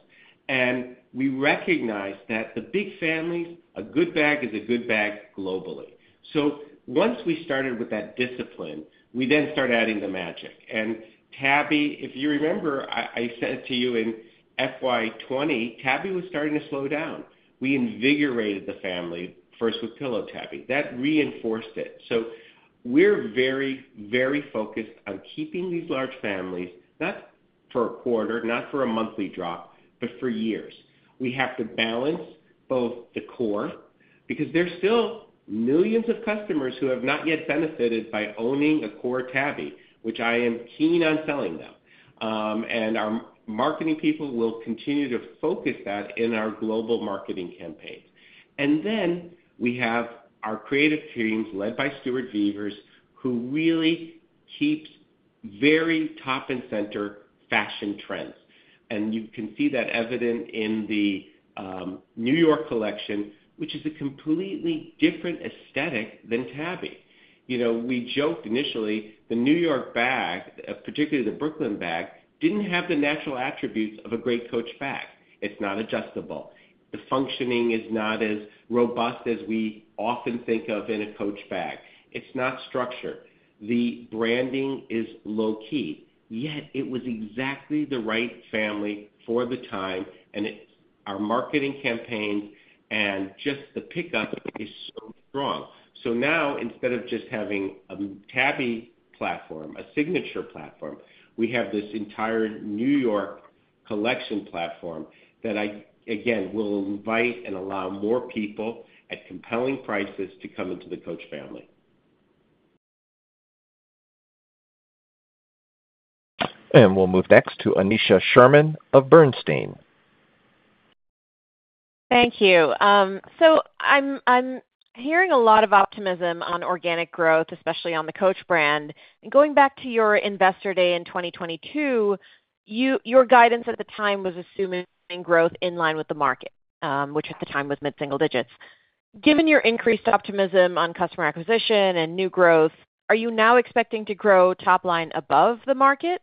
And we recognized that the big families, a good bag is a good bag globally. So once we started with that discipline, we then started adding the magic. And Tabby, if you remember, I said to you in FY20, Tabby was starting to slow down. We invigorated the family first with Pillow Tabby. That reinforced it. So we're very, very focused on keeping these large families, not for a quarter, not for a monthly drop, but for years. We have to balance both the core because there's still millions of customers who have not yet benefited by owning a core Tabby, which I am keen on selling them. And our marketing people will continue to focus that in our global marketing campaigns. And then we have our creative teams led by Stuart Vevers, who really keep front and center fashion trends. And you can see that evident in the New York collection, which is a completely different aesthetic than Tabby. We joked initially, the New York bag, particularly the Brooklyn bag, didn't have the natural attributes of a great Coach bag. It's not adjustable. The functioning is not as robust as we often think of in a Coach bag. It's not structured. The branding is low-key. Yet it was exactly the right family for the time. And our marketing campaigns and just the pickup is so strong. So now, instead of just having a Tabby platform, a signature platform, we have this entire New York collection platform that I, again, will invite and allow more people at compelling prices to come into the Coach family. And we'll move next to Aneesha Sherman of Bernstein. Thank you. So I'm hearing a lot of optimism on organic growth, especially on the Coach brand. Going back to your investor day in 2022, your guidance at the time was assuming growth in line with the market, which at the time was mid-single digits. Given your increased optimism on customer acquisition and new growth, are you now expecting to grow top-line above the market?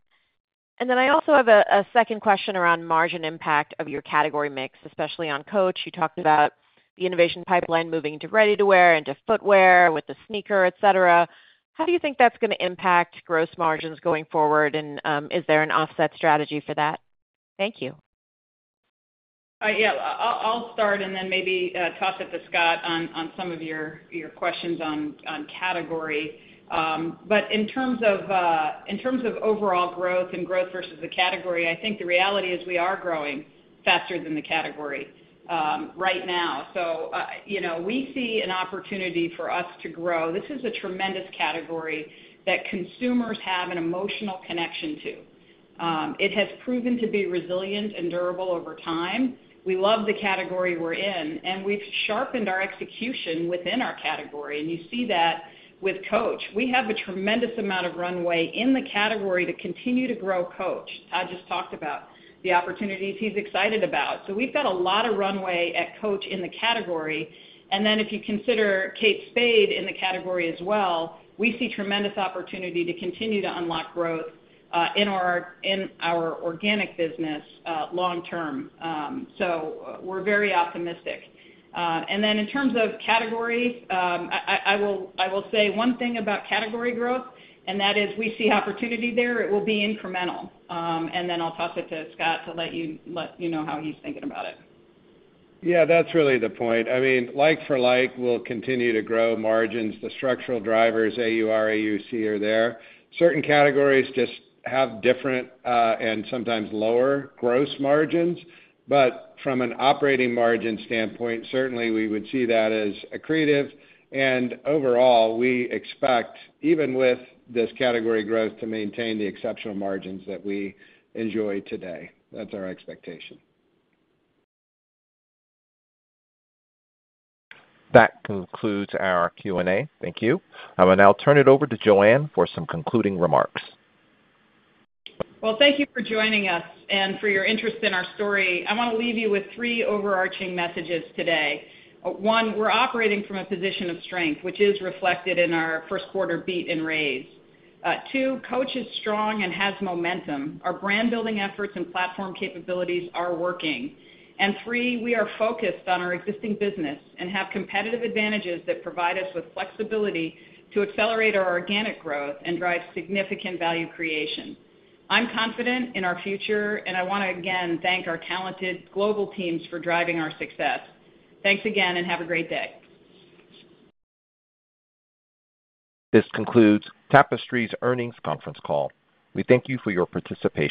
And then I also have a second question around margin impact of your category mix, especially on Coach. You talked about the innovation pipeline moving to ready-to-wear and to footwear with the sneaker, etc. How do you think that's going to impact gross margins going forward? And is there an offset strategy for that? Thank you. Yeah. I'll start and then maybe toss it to Scott on some of your questions on category. But in terms of overall growth and growth versus the category, I think the reality is we are growing faster than the category right now. So we see an opportunity for us to grow. This is a tremendous category that consumers have an emotional connection to. It has proven to be resilient and durable over time. We love the category we're in. And we've sharpened our execution within our category. And you see that with Coach. We have a tremendous amount of runway in the category to continue to grow Coach. Todd just talked about the opportunities he's excited about. So we've got a lot of runway at Coach in the category. And then if you consider Kate Spade in the category as well, we see tremendous opportunity to continue to unlock growth in our organic business long-term. So we're very optimistic. And then in terms of category, I will say one thing about category growth, and that is we see opportunity there. It will be incremental. And then I'll toss it to Scott to let you know how he's thinking about it. Yeah. That's really the point. I mean, like for like, we'll continue to grow margins. The structural drivers, AUR, AUC are there. Certain categories just have different and sometimes lower gross margins. But from an operating margin standpoint, certainly we would see that as accretive. And overall, we expect, even with this category growth, to maintain the exceptional margins that we enjoy today. That's our expectation. That concludes our Q&A. Thank you. And I'll turn it over to Joanne for some concluding remarks. Well, thank you for joining us and for your interest in our story. I want to leave you with three overarching messages today. One, we're operating from a position of strength, which is reflected in our first-quarter beat and raise. Two, Coach is strong and has momentum. Our brand-building efforts and platform capabilities are working. And three, we are focused on our existing business and have competitive advantages that provide us with flexibility to accelerate our organic growth and drive significant value creation. I'm confident in our future, and I want to, again, thank our talented global teams for driving our success. Thanks again, and have a great day. This concludes Tapestry's earnings conference call. We thank you for your participation.